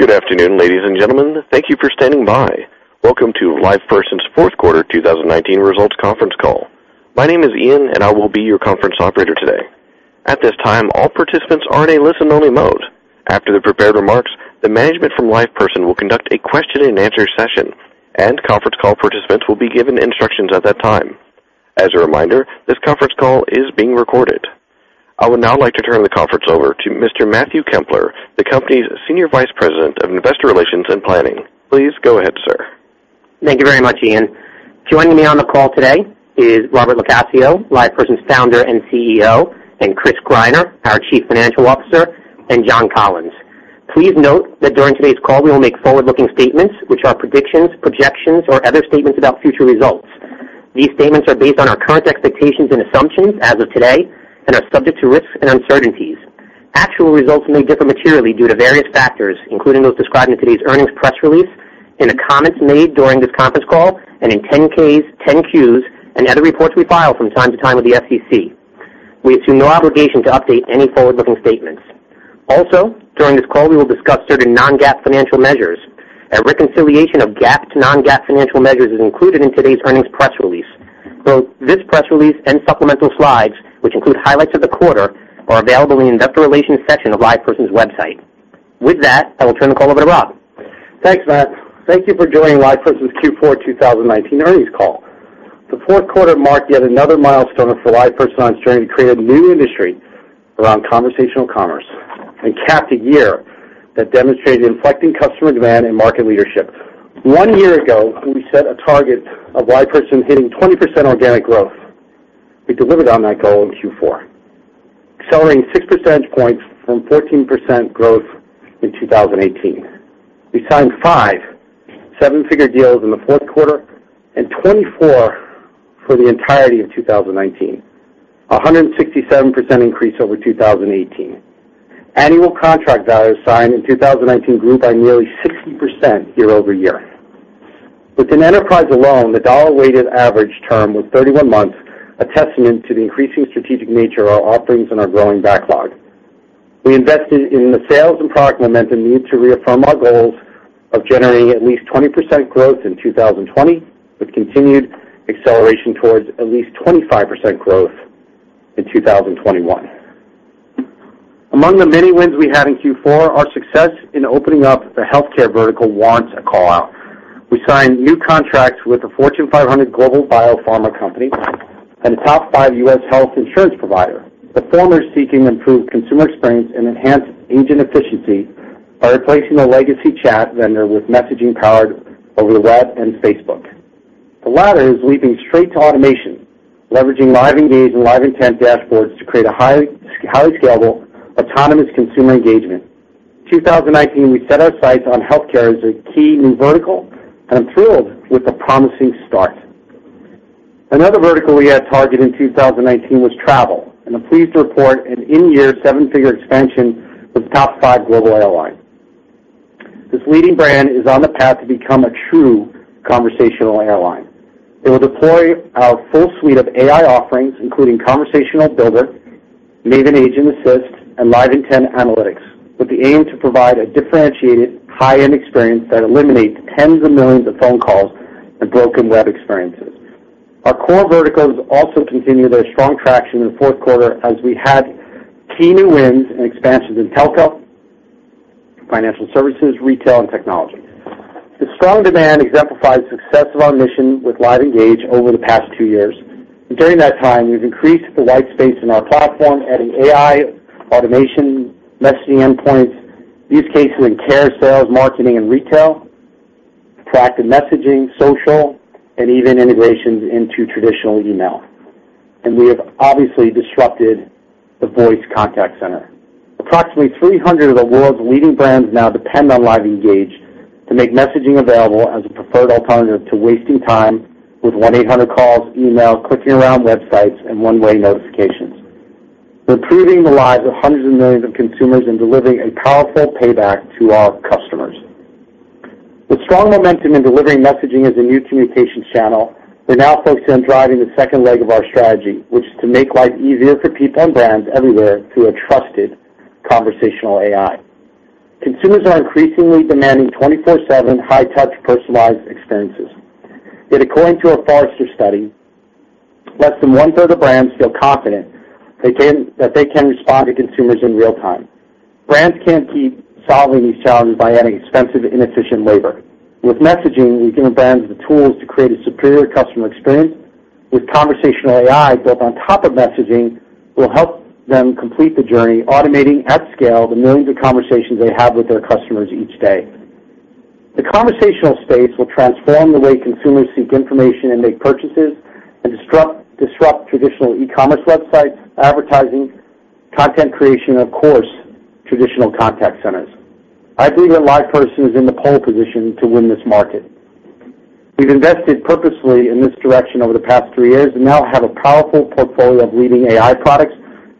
Good afternoon, ladies and gentlemen. Thank you for standing by. Welcome to LivePerson's fourth quarter 2019 results conference call. My name is Ian, and I will be your conference operator today. At this time, all participants are in a listen-only mode. After the prepared remarks, the management from LivePerson will conduct a question and answer session, and conference call participants will be given instructions at that time. As a reminder, this conference call is being recorded. I would now like to turn the conference over to Mr. Matthew Kempler, the company's Senior Vice President of Investor Relations and Planning. Please go ahead, sir. Thank you very much, Ian. Joining me on the call today is Robert LoCascio, LivePerson's Founder and CEO, and Chris Greiner, our Chief Financial Officer, and John Collins. Please note that during today's call, we will make forward-looking statements, which are predictions, projections, or other statements about future results. These statements are based on our current expectations and assumptions as of today and are subject to risks and uncertainties. Actual results may differ materially due to various factors, including those described in today's earnings press release, in the comments made during this conference call, and in 10-K, 10-Q, and other reports we file from time to time with the SEC. We assume no obligation to update any forward-looking statements. Also, during this call, we will discuss certain non-GAAP financial measures. A reconciliation of GAAP to non-GAAP financial measures is included in today's earnings press release. Both this press release and supplemental slides, which include highlights of the quarter, are available in the investor relations section of LivePerson's website. With that, I will turn the call over to Rob. Thanks, Matt. Thank you for joining LivePerson's Q4 2019 earnings call. The fourth quarter marked yet another milestone for LivePerson on its journey to create a new industry around conversational commerce and capped a year that demonstrated inflecting customer demand and market leadership. One year ago, we set a target of LivePerson hitting 20% organic growth. We delivered on that goal in Q4, accelerating six percentage points from 14% growth in 2018. We signed five seven-figure deals in the fourth quarter and 24 for the entirety of 2019, 167% increase over 2018. Annual contract value signed in 2019 grew by nearly 60% year-over-year. Within enterprise alone, the dollar-weighted average term was 31 months, a testament to the increasing strategic nature of our offerings and our growing backlog. We invested in the sales and product momentum needed to reaffirm our goals of generating at least 20% growth in 2020, with continued acceleration towards at least 25% growth in 2021. Among the many wins we had in Q4, our success in opening up the healthcare vertical warrants a call-out. We signed new contracts with a Fortune 500 global biopharma company and a top five U.S. health insurance provider. The former is seeking improved consumer experience and enhanced agent efficiency by replacing a legacy chat vendor with messaging powered over web and Facebook. The latter is leaping straight to automation, leveraging LiveEngage and LiveIntent dashboards to create a highly scalable, autonomous consumer engagement. 2019, we set our sights on healthcare as a key new vertical, and I'm thrilled with the promising start. Another vertical we had targeted in 2019 was travel, and I'm pleased to report an in-year seven-figure expansion with a top five global airline. This leading brand is on the path to become a true conversational airline. It will deploy our full suite of AI offerings, including Conversation Builder, Maven Assist, and LiveIntent Analytics, with the aim to provide a differentiated high-end experience that eliminates tens of millions of phone calls and broken web experiences. Our core verticals also continued their strong traction in the fourth quarter as we had key new wins and expansions in telco, financial services, retail, and technology. The strong demand exemplifies the success of our mission with LiveEngage over the past two years. During that time, we've increased the white space in our platform, adding AI, automation, messaging endpoints, use cases in care, sales, marketing, and retail, interactive messaging, social, and even integrations into traditional email. We have obviously disrupted the voice contact center. Approximately 300 of the world's leading brands now depend on LiveEngage to make messaging available as a preferred alternative to wasting time with 1-800 calls, email, clicking around websites, and one-way notifications. We're improving the lives of hundreds of millions of consumers and delivering a powerful payback to our customers. With strong momentum in delivering messaging as a new communication channel, we're now focused on driving the second leg of our strategy, which is to make life easier for people and brands everywhere through a trusted conversational AI. Consumers are increasingly demanding 24/7 high-touch personalized experiences. Yet according to a Forrester study, less than one-third of brands feel confident that they can respond to consumers in real time. Brands can't keep solving these challenges by adding expensive, inefficient labor. With messaging, we've given brands the tools to create a superior customer experience. With conversational AI built on top of messaging, we'll help them complete the journey, automating at scale the millions of conversations they have with their customers each day. The conversational space will transform the way consumers seek information and make purchases and disrupt traditional e-commerce websites, advertising, content creation, and of course, traditional contact centers. I believe that LivePerson is in the pole position to win this market. We've invested purposefully in this direction over the past three years and now have a powerful portfolio of leading AI products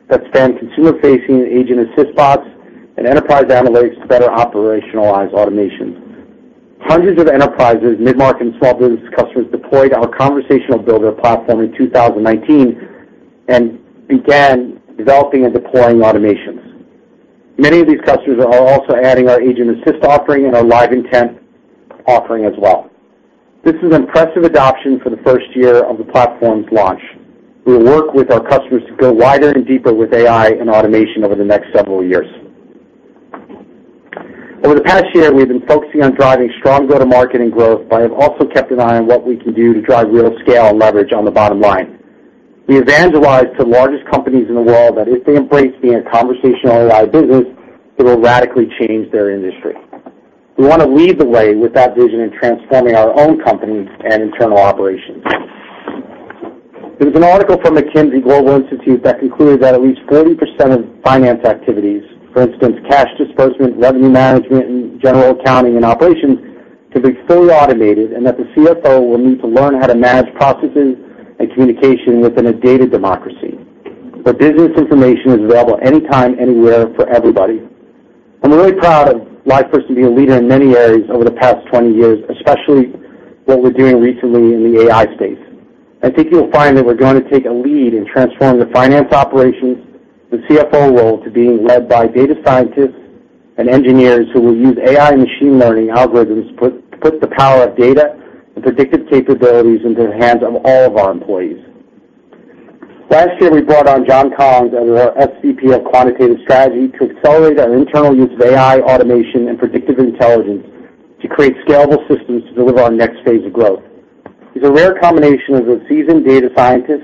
that span consumer-facing agent assist bots and enterprise analytics to better operationalize automation. Hundreds of enterprises, mid-market, and small business customers deployed our Conversation Builder platform in 2019 and began developing and deploying automations. Many of these customers are also adding our agent assist offering and our LiveIntent offering as well. This is impressive adoption for the first year of the platform's launch. We will work with our customers to go wider and deeper with AI and automation over the next several years. Over the past year, we've been focusing on driving strong go-to-market and growth, but have also kept an eye on what we can do to drive real scale and leverage on the bottom line. We evangelize to the largest companies in the world that if they embrace being a conversational AI business, it'll radically change their industry. We want to lead the way with that vision in transforming our own company and internal operations. There's an article from McKinsey Global Institute that concluded that at least 40% of finance activities, for instance, cash disbursement, revenue management, and general accounting and operations, could be fully automated, and that the CFO will need to learn how to manage processes and communication within a data democracy, where business information is available anytime, anywhere, for everybody. I'm really proud of LivePerson being a leader in many areas over the past 20 years, especially what we're doing recently in the AI space. I think you'll find that we're going to take a lead in transforming the finance operations, the CFO role, to being led by data scientists and engineers who will use AI and machine learning algorithms to put the power of data and predictive capabilities into the hands of all of our employees. Last year, we brought on John Collins as our SVP of quantitative strategy to accelerate our internal use of AI, automation, and predictive intelligence to create scalable systems to deliver our next phase of growth. He's a rare combination of a seasoned data scientist,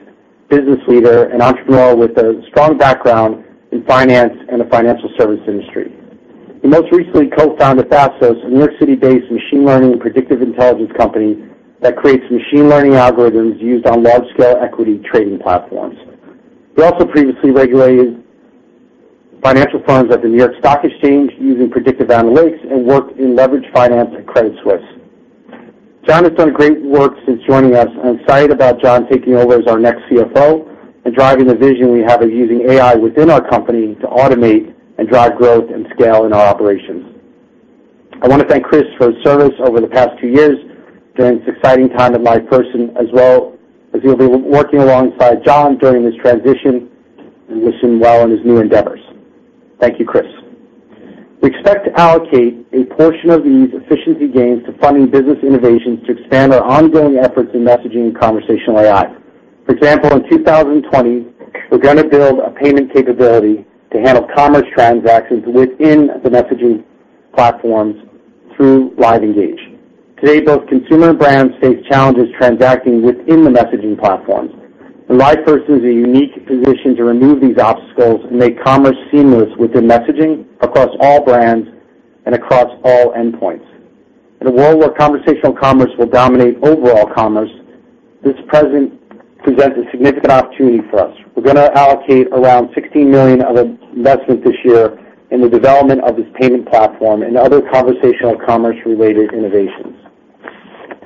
business leader, and entrepreneur with a strong background in finance and the financial service industry. He most recently co-founded Thasos, a New York City-based machine learning and predictive intelligence company that creates machine learning algorithms used on large-scale equity trading platforms. He also previously regulated financial firms at the New York Stock Exchange using predictive analytics, and worked in leverage finance at Credit Suisse. John has done great work since joining us. I'm excited about John taking over as our next CFO and driving the vision we have of using AI within our company to automate and drive growth and scale in our operations. I want to thank Chris for his service over the past two years during this exciting time at LivePerson, as well as he'll be working alongside John during this transition. We wish him well in his new endeavors. Thank you, Chris. We expect to allocate a portion of these efficiency gains to funding business innovations to expand our ongoing efforts in messaging and conversational AI. For example, in 2020, we're going to build a payment capability to handle commerce transactions within the messaging platforms through LiveEngage. Today, both consumer and brands face challenges transacting within the messaging platforms. LivePerson is in a unique position to remove these obstacles and make commerce seamless within messaging across all brands and across all endpoints. In a world where conversational commerce will dominate overall commerce, this presents a significant opportunity for us. We're going to allocate around $16 million of investment this year in the development of this payment platform and other conversational commerce-related innovations.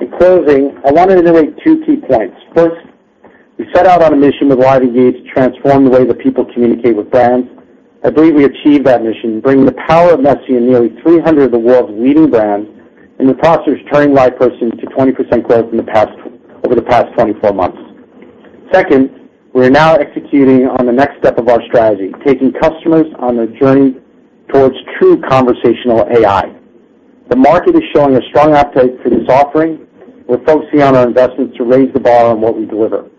In closing, I want to reiterate two key points. First, we set out on a mission with LiveEngage to transform the way that people communicate with brands. I believe we achieved that mission, bringing the power of messaging to nearly 300 of the world's leading brands. The process turned LivePerson to 20% growth over the past 24 months. Second, we are now executing on the next step of our strategy, taking customers on a journey towards true conversational AI. The market is showing a strong appetite for this offering. We're focusing on our investments to raise the bar on what we deliver.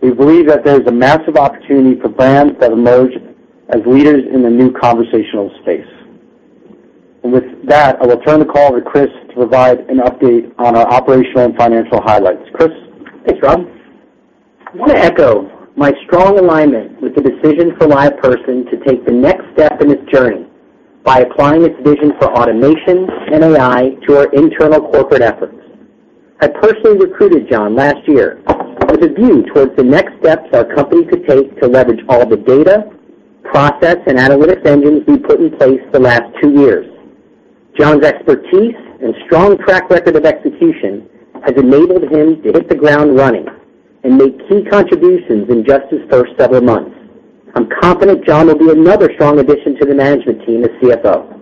We believe that there is a massive opportunity for brands that emerge as leaders in the new conversational space. With that, I will turn the call to Chris to provide an update on our operational and financial highlights. Chris? Thanks, Rob. I want to echo my strong alignment with the decision for LivePerson to take the next step in its journey by applying its vision for automation and AI to our internal corporate efforts. I personally recruited John last year with a view towards the next steps our company could take to leverage all the data, process, and analytics engines we put in place the last two years. John's expertise and strong track record of execution has enabled him to hit the ground running and make key contributions in just his first several months. I'm confident John will be another strong addition to the management team as CFO.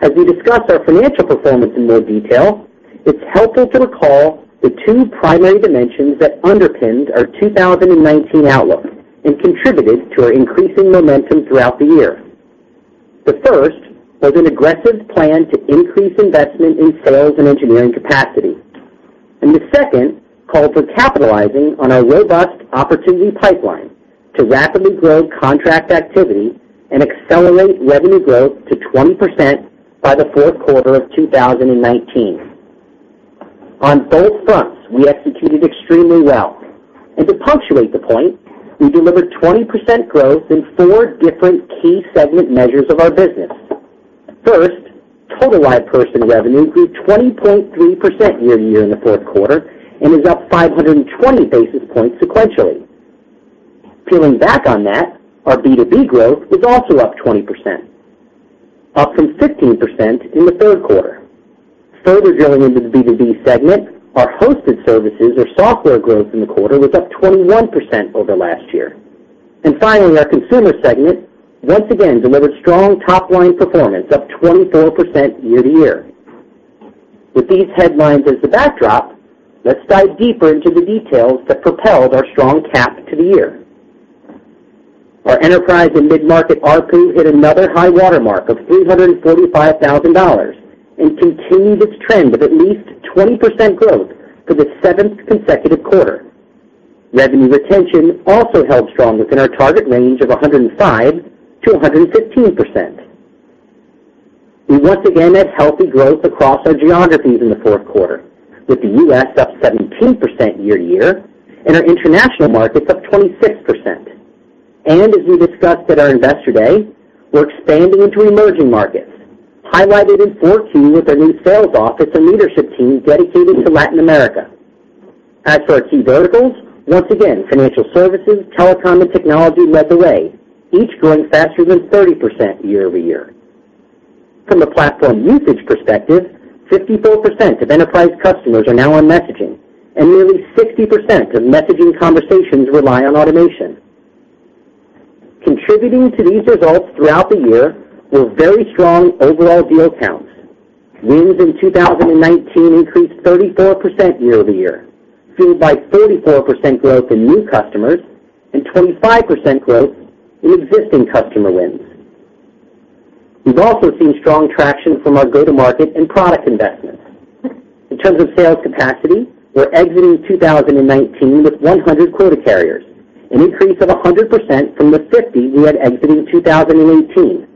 As we discuss our financial performance in more detail, it's helpful to recall the two primary dimensions that underpinned our 2019 outlook and contributed to our increasing momentum throughout the year. The first was an aggressive plan to increase investment in sales and engineering capacity, the second called for capitalizing on our robust opportunity pipeline to rapidly grow contract activity and accelerate revenue growth to 20% by the fourth quarter of 2019. On both fronts, we executed extremely well, and to punctuate the point, we delivered 20% growth in four different key segment measures of our business. First, total LivePerson revenue grew 20.3% year-to-year in the fourth quarter and is up 520 basis points sequentially. Peeling back on that, our B2B growth is also up 20%, up from 15% in the third quarter. Further drilling into the B2B segment, our hosted services or software growth in the quarter was up 21% over last year. Finally, our consumer segment once again delivered strong top-line performance, up 24% year-to-year. With these headlines as the backdrop, let's dive deeper into the details that propelled our strong cap to the year. Our enterprise and mid-market ARPU hit another high water mark of $345,000 and continued its trend of at least 20% growth for the 7th consecutive quarter. Revenue retention also held strong within our target range of 105%-115%. We once again had healthy growth across our geographies in the fourth quarter, with the U.S. up 17% year-to-year and our international markets up 26%. As we discussed at our Investor Day, we're expanding into emerging markets, highlighted in Q4 with our new sales office and leadership team dedicated to Latin America. As for our key verticals, once again, financial services, telecom, and technology led the way, each growing faster than 30% year-over-year. From a platform usage perspective, 54% of enterprise customers are now on messaging, and nearly 60% of messaging conversations rely on automation. Contributing to these results throughout the year were very strong overall deal counts. Wins in 2019 increased 34% year-over-year, fueled by 34% growth in new customers and 25% growth in existing customer wins. We've also seen strong traction from our go-to-market and product investments. In terms of sales capacity, we're exiting 2019 with 100 quota carriers, an increase of 100% from the 50 we had exiting 2018.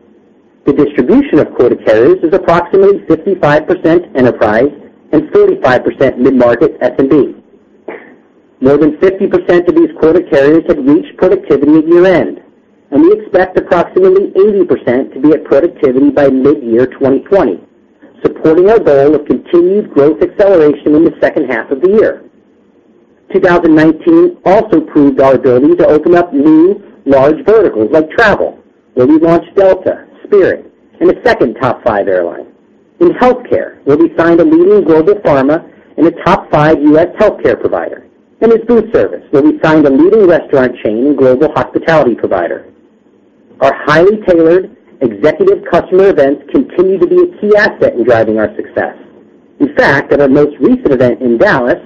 The distribution of quota carriers is approximately 55% enterprise and 45% mid-market SMB. More than 50% of these quota carriers had reached productivity at year-end, and we expect approximately 80% to be at productivity by mid-year 2020, supporting our goal of continued growth acceleration in the second half of the year. 2019 also proved our ability to open up new large verticals like travel, where we launched Delta, Spirit, and a second top five airline. In healthcare, where we signed a leading global pharma and a top five U.S. healthcare provider, and in food service, where we signed a leading restaurant chain and global hospitality provider. Our highly tailored executive customer events continue to be a key asset in driving our success. In fact, at our most recent event in Dallas,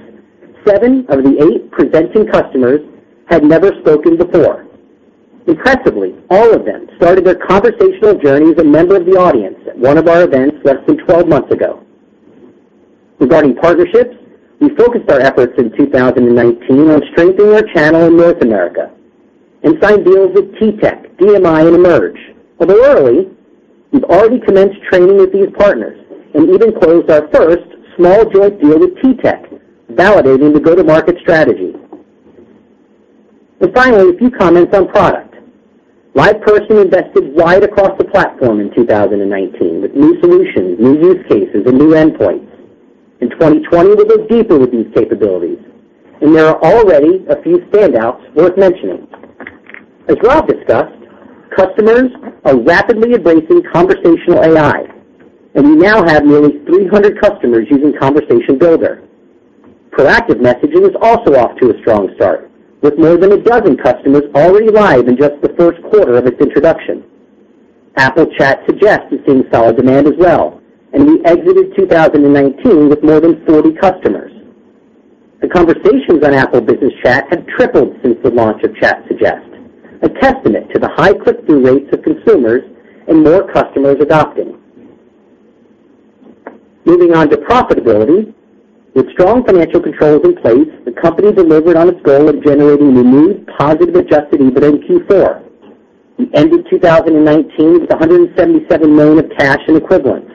seven of the eight presenting customers had never spoken before. Impressively, all of them started their conversational journey as a member of the audience at one of our events less than 12 months ago. Regarding partnerships, we focused our efforts in 2019 on strengthening our channel in North America and signed deals with TTEC, DMI, and Emerge. Although early, we've already commenced training with these partners and even closed our first small joint deal with TTEC, validating the go-to-market strategy. Finally, a few comments on product. LivePerson invested wide across the platform in 2019 with new solutions, new use cases, and new endpoints. In 2020, we'll go deeper with these capabilities, and there are already a few standouts worth mentioning. As Rob discussed, customers are rapidly embracing conversational AI, and we now have nearly 300 customers using Conversation Builder. Proactive messaging is also off to a strong start, with more than 12 customers already live in just the first quarter of its introduction. Apple Chat Suggest is seeing solid demand as well, and we exited 2019 with more than 40 customers. The conversations on Apple Messages for Business have tripled since the launch of Chat Suggest, a testament to the high click-through rates of consumers and more customers adopting. Moving on to profitability. With strong financial controls in place, the company delivered on its goal of generating renewed positive adjusted EBITDA in Q4. We ended 2019 with $177 million of cash and equivalents.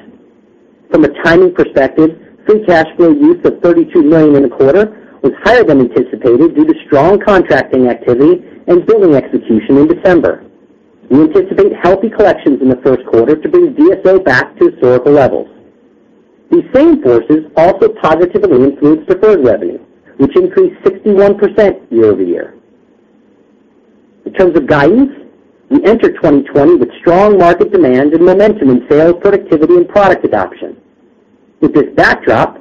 From a timing perspective, free cash flow use of $32 million in a quarter was higher than anticipated due to strong contracting activity and billing execution in December. We anticipate healthy collections in the first quarter to bring DSO back to historical levels. These same forces also positively influenced deferred revenue, which increased 61% year-over-year. In terms of guidance, we enter 2020 with strong market demand and momentum in sales productivity and product adoption. With this backdrop,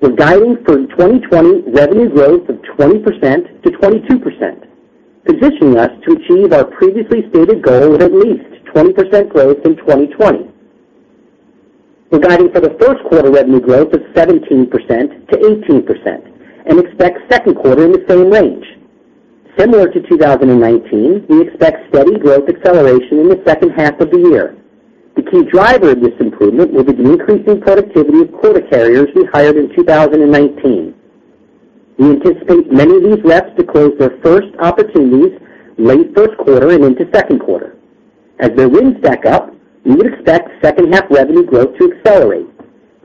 we're guiding for 2020 revenue growth of 20%-22%, positioning us to achieve our previously stated goal of at least 20% growth in 2020. We're guiding for the first quarter revenue growth of 17%-18% and expect second quarter in the same range. Similar to 2019, we expect steady growth acceleration in the second half of the year. The key driver of this improvement will be the increasing productivity of quota carriers we hired in 2019. We anticipate many of these reps to close their first opportunities late first quarter and into second quarter. As their wins stack up, we would expect second-half revenue growth to accelerate,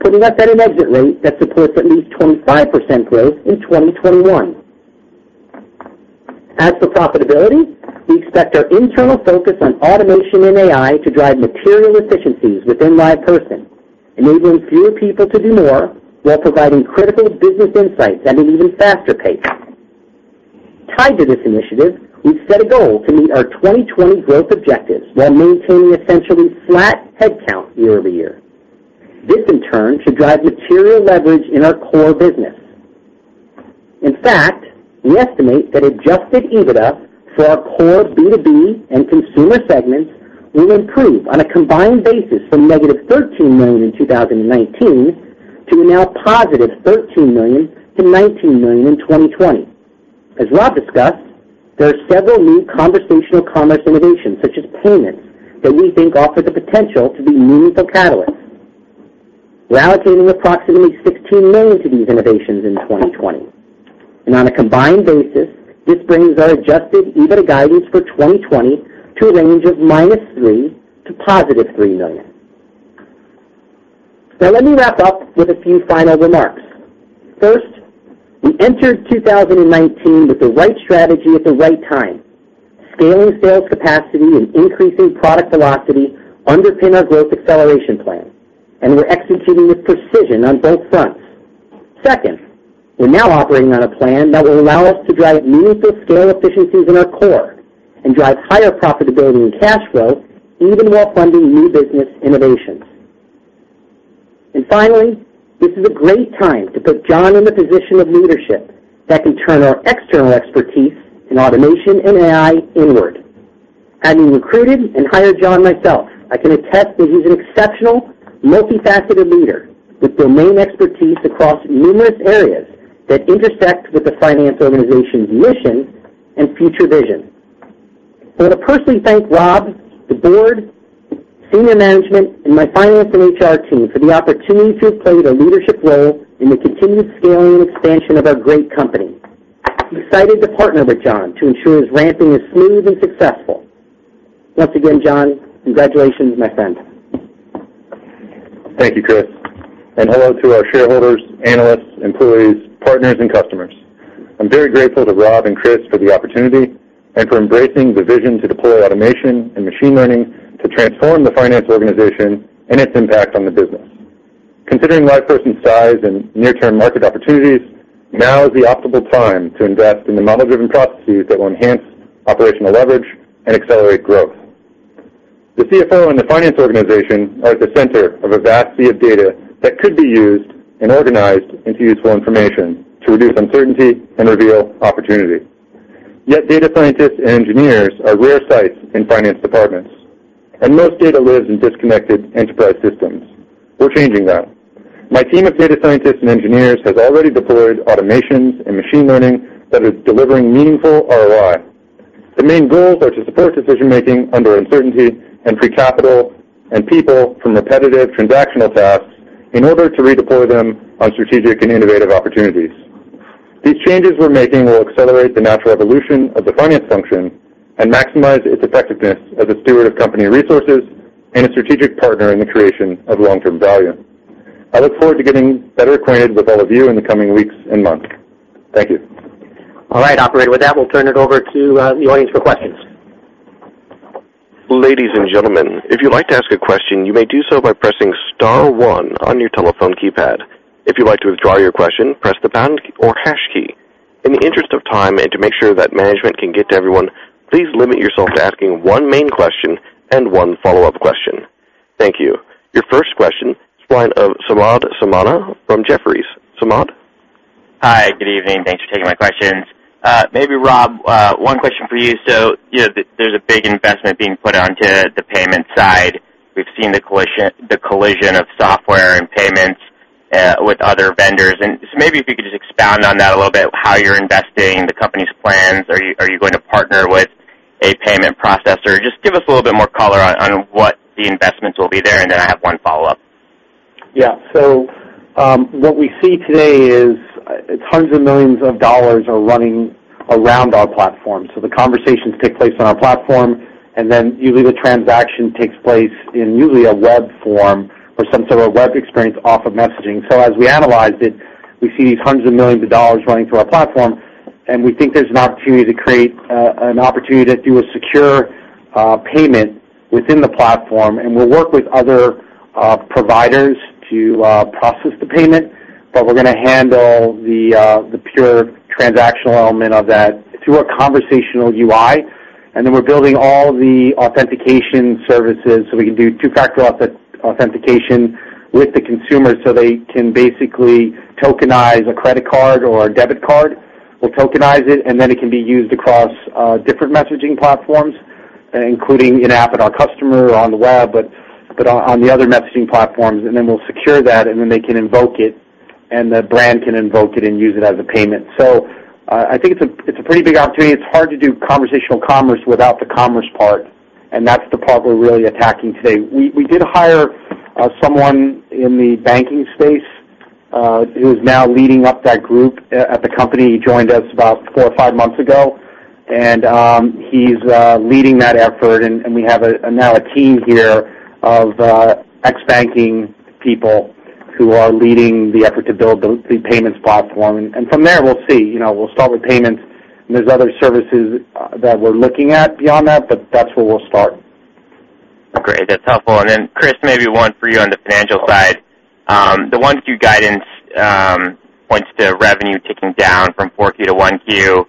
putting us at an exit rate that supports at least 25% growth in 2021. As for profitability, we expect our internal focus on automation and AI to drive material efficiencies within LivePerson, enabling fewer people to do more while providing critical business insights at an even faster pace. Tied to this initiative, we've set a goal to meet our 2020 growth objectives while maintaining essentially flat headcount year-over-year. This, in turn, should drive material leverage in our core business. In fact, we estimate that adjusted EBITDA for our core B2B and consumer segments will improve on a combined basis from negative $13 million in 2019 to now positive $13 million to $19 million in 2020. As Rob discussed, there are several new conversational commerce innovations, such as payments, that we think offer the potential to be meaningful catalysts. We're allocating approximately $16 million to these innovations in 2020, and on a combined basis, this brings our adjusted EBITDA guidance for 2020 to a range of -$3 million to +$3 million. Let me wrap up with a few final remarks. First, we entered 2019 with the right strategy at the right time. Scaling sales capacity and increasing product velocity underpin our growth acceleration plan, and we're executing with precision on both fronts. Second, we're now operating on a plan that will allow us to drive meaningful scale efficiencies in our core and drive higher profitability and cash flow, even while funding new business innovations. Finally, this is a great time to put John in the position of leadership that can turn our external expertise in automation and AI inward. Having recruited and hired John myself, I can attest that he's an exceptional, multifaceted leader with domain expertise across numerous areas that intersect with the finance organization's mission and future vision. I want to personally thank Rob, the board, senior management, and my finance and HR team for the opportunity to have played a leadership role in the continued scaling and expansion of our great company. I'm excited to partner with John to ensure his ramping is smooth and successful. Once again, John, congratulations, my friend. Thank you, Chris, and hello to our shareholders, analysts, employees, partners, and customers. I'm very grateful to Rob and Chris for the opportunity and for embracing the vision to deploy automation and machine learning to transform the finance organization and its impact on the business. Considering LivePerson's size and near-term market opportunities, now is the optimal time to invest in the model-driven processes that will enhance operational leverage and accelerate growth. The CFO and the finance organization are at the center of a vast sea of data that could be used and organized into useful information to reduce uncertainty and reveal opportunity. Data scientists and engineers are rare sights in finance departments, and most data lives in disconnected enterprise systems. We're changing that. My team of data scientists and engineers has already deployed automations and machine learning that is delivering meaningful ROI. The main goals are to support decision-making under uncertainty and free capital and people from repetitive transactional tasks in order to redeploy them on strategic and innovative opportunities. These changes we're making will accelerate the natural evolution of the finance function and maximize its effectiveness as a steward of company resources and a strategic partner in the creation of long-term value. I look forward to getting better acquainted with all of you in the coming weeks and months. Thank you. All right, operator, with that, we'll turn it over to the audience for questions. Ladies and gentlemen, if you'd like to ask a question, you may do so by pressing *1 on your telephone keypad. If you'd like to withdraw your question, press the # key. In the interest of time and to make sure that management can get to everyone, please limit yourself to asking one main question and one follow-up question. Thank you. Your first question is the line of Samad Samana from Jefferies. Samad? Hi. Good evening. Thanks for taking my questions. Maybe, Rob, one question for you. There's a big investment being put onto the payment side. We've seen the collision of software and payments with other vendors, maybe if you could just expound on that a little bit, how you're investing, the company's plans. Are you going to partner with a payment processor? Just give us a little bit more color on what the investments will be there, I have one follow-up. Yeah. What we see today is hundreds of millions of dollars are running around our platform. The conversations take place on our platform, and then usually the transaction takes place in usually a web form or some sort of web experience off of messaging. As we analyzed it, we see these hundreds of millions of dollars running through our platform, and we think there's an opportunity to create an opportunity to do a secure payment within the platform, and we'll work with other providers to process the payment. We're going to handle the pure transactional element of that through a conversational UI, and then we're building all the authentication services so we can do 2-factor authentication with the consumer so they can basically tokenize a credit card or a debit card. We'll tokenize it, and then it can be used across different messaging platforms, including in-app at our customer or on the web, but on the other messaging platforms. Then we'll secure that, and then they can invoke it, and the brand can invoke it and use it as a payment. I think it's a pretty big opportunity. It's hard to do conversational commerce without the commerce part, and that's the part we're really attacking today. We did hire someone in the banking space who's now leading up that group at the company. He joined us about four or five months ago, and he's leading that effort. We have now a team here of ex-banking people who are leading the effort to build the payments platform. From there, we'll see. We'll start with payments, and there's other services that we're looking at beyond that, but that's where we'll start. Great. That's helpful. Chris, maybe one for you on the financial side. The 1Q guidance points to revenue ticking down from 4Q to 1Q.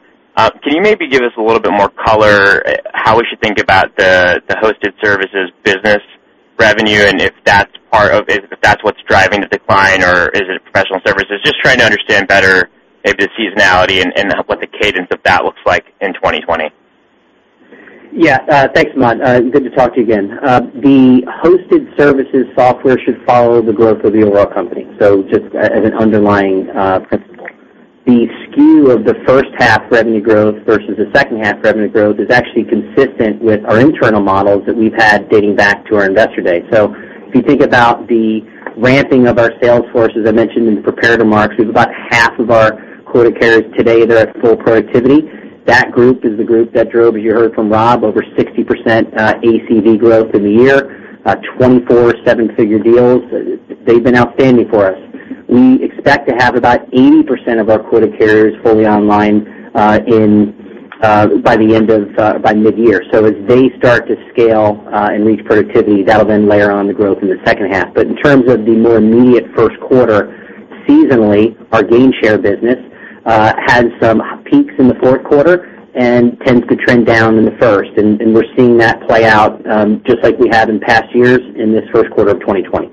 Can you maybe give us a little bit more color how we should think about the hosted services business revenue and if that's what's driving the decline or is it professional services? Just trying to understand better maybe the seasonality and what the cadence of that looks like in 2020. Yeah. Thanks, Samad. Good to talk to you again. The hosted services software should follow the growth of the overall company, just as an underlying principle. The skew of the first half revenue growth versus the second half revenue growth is actually consistent with our internal models that we've had dating back to our investor day. If you think about the ramping of our sales force, as I mentioned in the prepared remarks, we have about half of our quota carriers today that are at full productivity. That group is the group that drove, as you heard from Rob, over 60% ACV growth in the year. 24 seven-figure deals. They've been outstanding for us. We expect to have about 80% of our quota carriers fully online by mid-year. As they start to scale and reach productivity, that'll layer on the growth in the second half. In terms of the more immediate first quarter, seasonally, our gainshare business had some peaks in the fourth quarter and tends to trend down in the first, and we're seeing that play out, just like we have in past years, in this first quarter of 2020.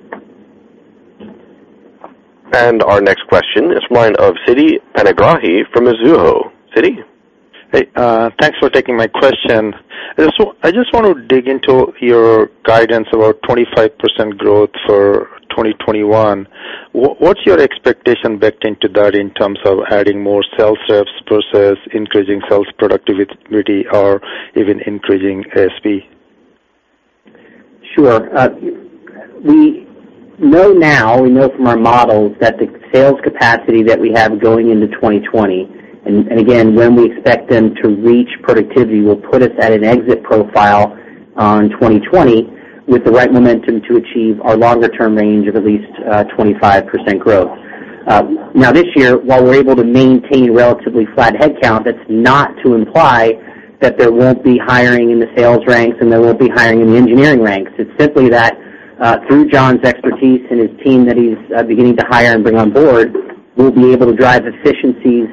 Our next question is line of Siti Panigrahi from Mizuho. Siti? Hey. Thanks for taking my question. I just want to dig into your guidance about 25% growth for 2021. What's your expectation baked into that in terms of adding more sales reps versus increasing sales productivity or even increasing SP? Sure. We know now, we know from our models that the sales capacity that we have going into 2020, and again, when we expect them to reach productivity, will put us at an exit profile on 2020 with the right momentum to achieve our longer-term range of at least 25% growth. Now, this year, while we're able to maintain relatively flat head count, that's not to imply that there won't be hiring in the sales ranks and there won't be hiring in the engineering ranks. It's simply that through John's expertise and his team that he's beginning to hire and bring on board, we'll be able to drive efficiencies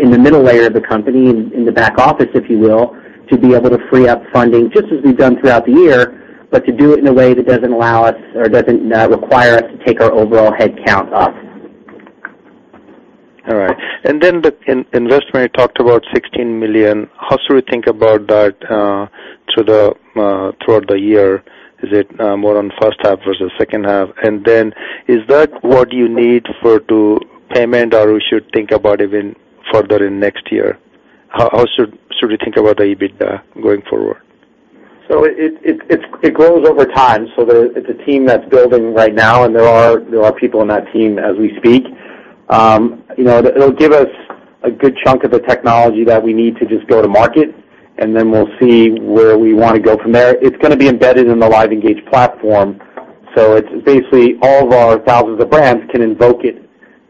in the middle layer of the company, in the back office, if you will, to be able to free up funding, just as we've done throughout the year, but to do it in a way that doesn't require us to take our overall head count up. All right. In investment, you talked about $16 million. How should we think about that throughout the year? Is it more on first half versus second half? Is that what you need for to payment, or we should think about even further in next year? How should we think about the EBITDA going forward? It grows over time. It's a team that's building right now, and there are people on that team as we speak. It'll give us a good chunk of the technology that we need to just go to market, and then we'll see where we want to go from there. It's gonna be embedded in the LiveEngage platform, so it's basically all of our thousands of brands can invoke it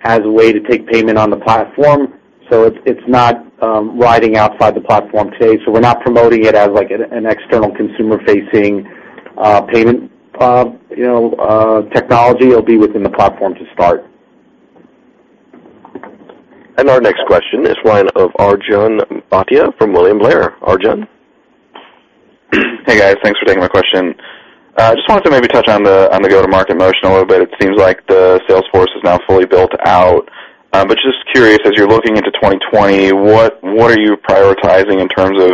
as a way to take payment on the platform. It's not riding outside the platform today. We're not promoting it as like an external consumer-facing payment technology. It'll be within the platform to start. Our next question is line of Arjun Bhatia from William Blair. Arjun? Hey, guys. Thanks for taking my question. Just wanted to maybe touch on the go-to-market motion a little bit. It seems like the sales force is now fully built out. Just curious, as you're looking into 2020, what are you prioritizing in terms of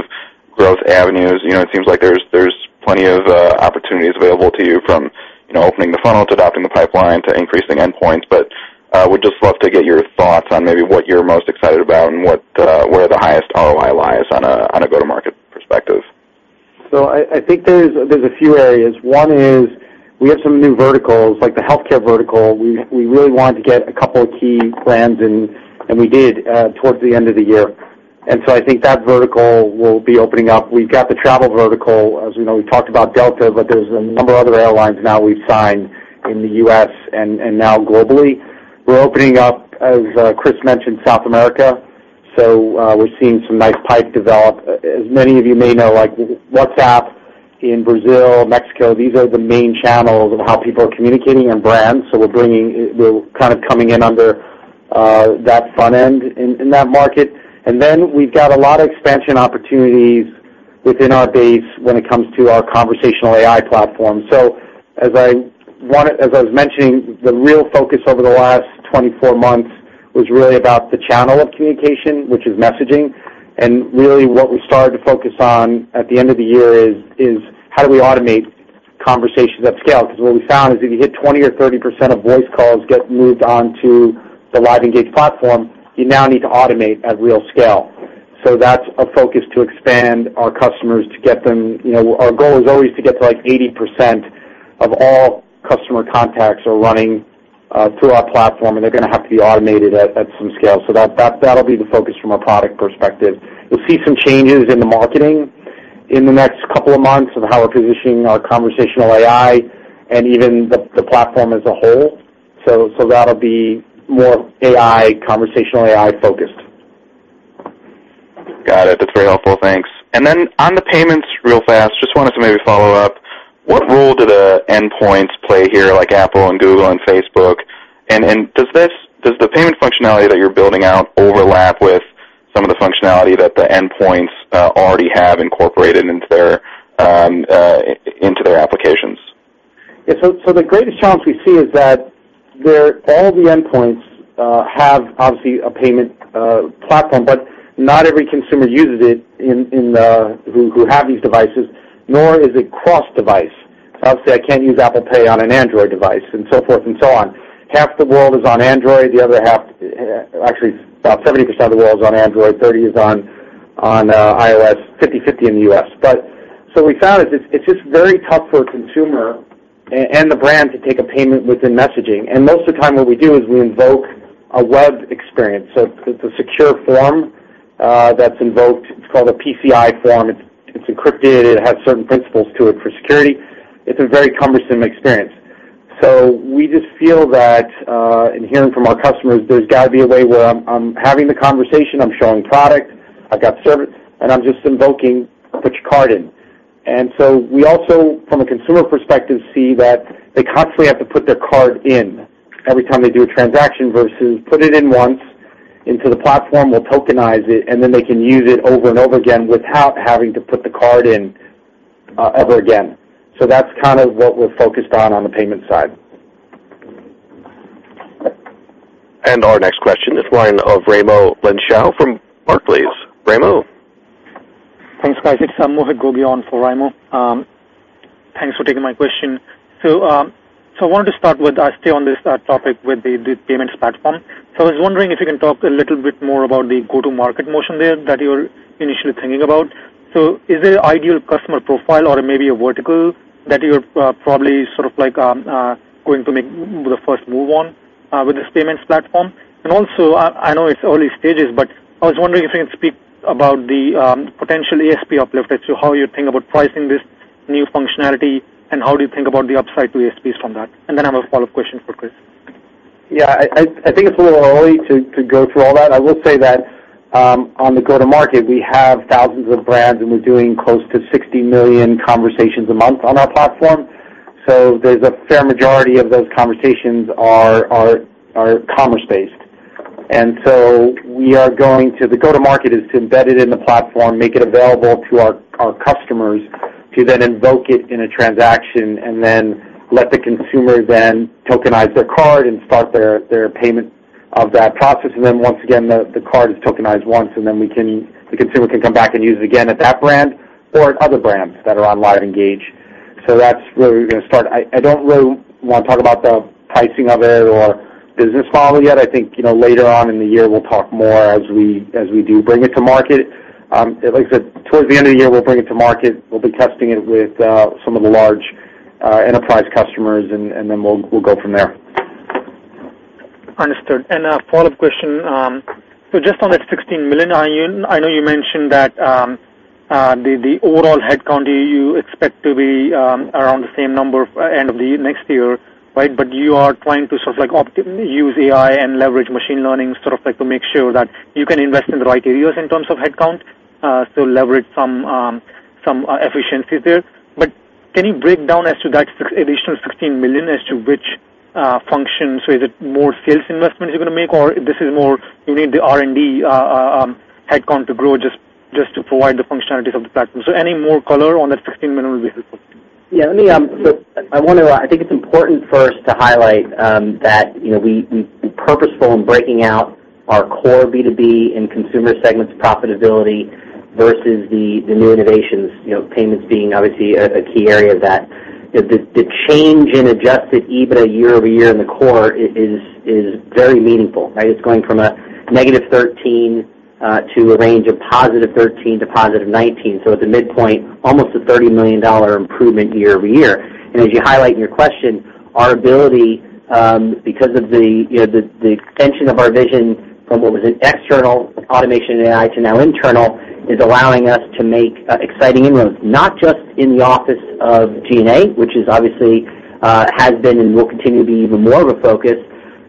growth avenues? It seems like there's plenty of opportunities available to you from opening the funnel to adopting the pipeline to increasing endpoints. Would just love to get your thoughts on maybe what you're most excited about and where the highest ROI lies on a go-to-market perspective. I think there's a few areas. One is we have some new verticals, like the healthcare vertical. We really wanted to get a couple of key brands in, and we did towards the end of the year. I think that vertical will be opening up. We've got the travel vertical. As we know, we've talked about Delta, but there's a number of other airlines now we've signed in the U.S. and now globally. We're opening up, as Chris mentioned, South America. We're seeing some nice pipe develop. As many of you may know, like WhatsApp in Brazil, Mexico, these are the main channels of how people are communicating and brands. We're kind of coming in under that front end in that market. We've got a lot of expansion opportunities within our base when it comes to our conversational AI platform. As I was mentioning, the real focus over the last 24 months was really about the channel of communication, which is messaging. Really what we started to focus on at the end of the year is how do we automate conversations at scale? Because what we found is if you hit 20% or 30% of voice calls get moved on to the LiveEngage platform, you now need to automate at real scale. That's a focus to expand our customers. Our goal is always to get to, like, 80% of all customer contacts are running through our platform, and they're gonna have to be automated at some scale. That'll be the focus from a product perspective. You'll see some changes in the marketing in the next couple of months of how we're positioning our conversational AI and even the platform as a whole. That'll be more conversational AI-focused. Got it. That's very helpful. Thanks. On the payments, real fast, just wanted to maybe follow up. What role do the endpoints play here, like Apple and Google and Facebook? Does the payment functionality that you're building out overlap with some of the functionality that the endpoints already have incorporated into their applications. Yeah. The greatest challenge we see is that all the endpoints have, obviously, a payment platform, but not every consumer uses it who have these devices, nor is it cross-device. Obviously, I can't use Apple Pay on an Android device, and so forth and so on. Half the world is on Android, the other half. Actually, about 70% of the world is on Android, 30% is on iOS, 50/50 in the U.S. What we found is, it's just very tough for a consumer and the brand to take a payment within messaging. Most of the time what we do is we invoke a web experience. It's a secure form that's invoked. It's called a PCI form. It's encrypted. It has certain principles to it for security. It's a very cumbersome experience. We just feel that, in hearing from our customers, there's got to be a way where I'm having the conversation, I'm showing product, I've got service, and I'm just invoking, "Put your card in." We also, from a consumer perspective, see that they constantly have to put their card in every time they do a transaction, versus put it in once into the platform, we'll tokenize it, and then they can use it over and over again without having to put the card in ever again. That's kind of what we're focused on the payment side. Our next question is the line of Raimo Lenschow from Barclays. Raimo? Thanks, guys. It's Mohit Gogia for Raimo. Thanks for taking my question. I wanted to stay on this topic with the payments platform. I was wondering if you can talk a little bit more about the go-to-market motion there that you're initially thinking about. Is there an ideal customer profile or maybe a vertical that you're probably sort of going to make the first move on with this payments platform? Also, I know it's early stages, but I was wondering if you can speak about the potential ASP uplift as to how you're think about pricing this new functionality, and how do you think about the upside to ASPs from that? I have a follow-up question for Chris. I think it's a little early to go through all that. I will say that, on the go-to-market, we have thousands of brands, and we're doing close to 60 million conversations a month on our platform. There's a fair majority of those conversations are commerce-based. The go-to-market is to embed it in the platform, make it available to our customers to then invoke it in a transaction, and then let the consumer then tokenize their card and start their payment of that process. Once again, the card is tokenized once, and then the consumer can come back and use it again at that brand or at other brands that are on LiveEngage. That's where we're going to start. I don't really want to talk about the pricing of it or business model yet. I think later on in the year, we'll talk more as we do bring it to market. Like I said, towards the end of the year, we'll bring it to market. We'll be testing it with some of the large enterprise customers, and then we'll go from there. Understood. A follow-up question. Just on that $16 million, I know you mentioned that the overall headcount, you expect to be around the same number end of the next year, right? You are trying to sort of optimally use AI and leverage machine learning, sort of to make sure that you can invest in the right areas in terms of headcount, so leverage some efficiencies there. Can you break down as to that additional $16 million as to which functions? Is it more sales investments you're going to make, or this is more, you need the R&D headcount to grow just to provide the functionalities of the platform? Any more color on that $16 million would be helpful. I think it's important for us to highlight that we're purposeful in breaking out our core B2B and consumer segments profitability versus the new innovations, payments being obviously a key area of that. The change in adjusted EBITDA year-over-year in the core is very meaningful, right? It's going from a negative $13 to a range of positive $13 to positive $19. So at the midpoint, almost a $30 million improvement year-over-year. As you highlight in your question, our ability, because of the extension of our vision from what was an external automation and AI to now internal, is allowing us to make exciting inroads, not just in the office of G&A, which obviously has been and will continue to be even more of a focus,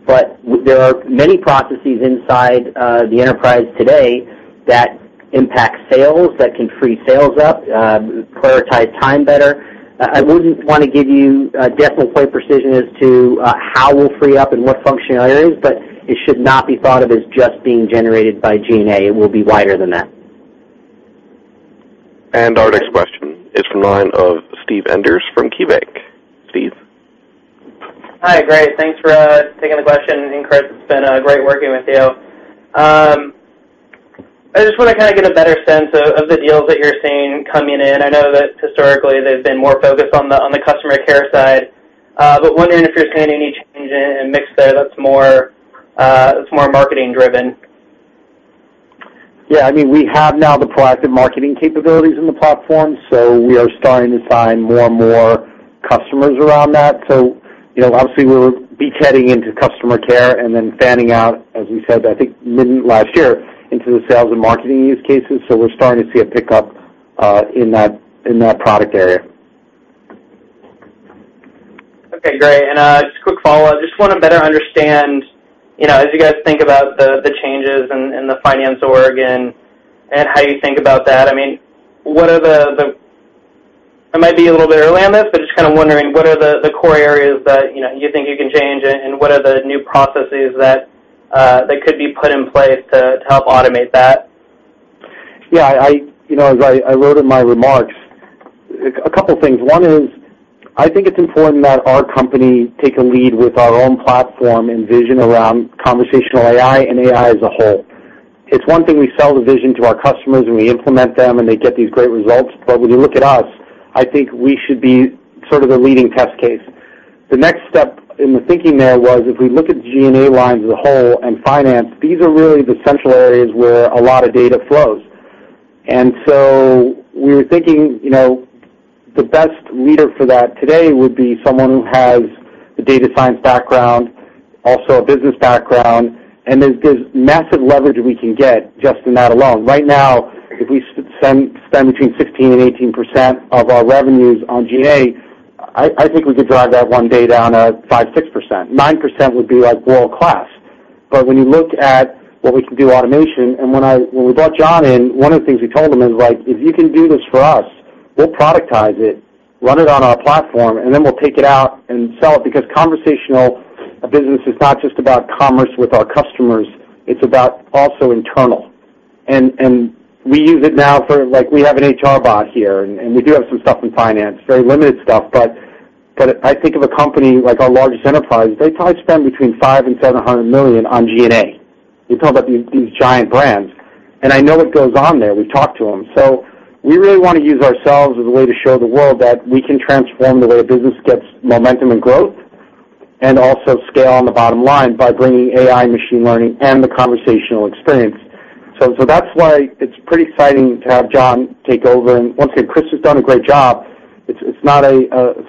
but there are many processes inside the enterprise today that impact sales, that can free sales up, prioritize time better. I wouldn't want to give you a decimal point precision as to how we'll free up and what functionality it is, but it should not be thought of as just being generated by G&A. It will be wider than that. Our next question is from the line of Steve Enders from KeyBanc. Steve? Hi. Great. Thanks for taking the question. Chris, it's been great working with you. I just want to kind of get a better sense of the deals that you're seeing coming in. I know that historically, they've been more focused on the customer care side. Wondering if you're seeing any change in mix there that's more marketing driven. Yeah. I mean, we have now the proactive marketing capabilities in the platform, so we are starting to sign more and more customers around that. Obviously, we're beachheading into customer care and then fanning out, as we said, I think mid last year, into the sales and marketing use cases. We're starting to see a pickup in that product area. Okay, great. Just a quick follow-up. Just want to better understand, as you guys think about the changes in the finance org and how you think about that, I mean. I might be a little bit early on this, but just kind of wondering, what are the core areas that you think you can change, and what are the new processes that could be put in place to help automate that? As I wrote in my remarks, a couple things. One is, I think it's important that our company take a lead with our own platform and vision around conversational AI and AI as a whole. It's one thing we sell the vision to our customers, and we implement them, and they get these great results. When you look at us, I think we should be sort of the leading test case. The next step in the thinking there was, if we look at G&A lines as a whole and finance, these are really the central areas where a lot of data flows. We were thinking the best leader for that today would be someone who has a data science background, also a business background. There's massive leverage we can get just in that alone. Right now, if we spend between 16% and 18% of our revenues on G&A, I think we could drive that one day down at 5%, 6%. 9% would be world-class. When you look at what we can do automation, when we brought John in, one of the things we told him is, if you can do this for us, we'll productize it, run it on our platform, and then we'll take it out and sell it, because conversational business is not just about commerce with our customers, it's about also internal. We use it now for, like we have an HR bot here, and we do have some stuff in finance, very limited stuff. I think of a company like our largest enterprise, they probably spend between $500 million and $700 million on G&A. You're talking about these giant brands. I know what goes on there. We talk to them. We really want to use ourselves as a way to show the world that we can transform the way a business gets momentum and growth, and also scale on the bottom line by bringing AI, machine learning, and the conversational experience. That's why it's pretty exciting to have John take over. Once again, Chris has done a great job. It's not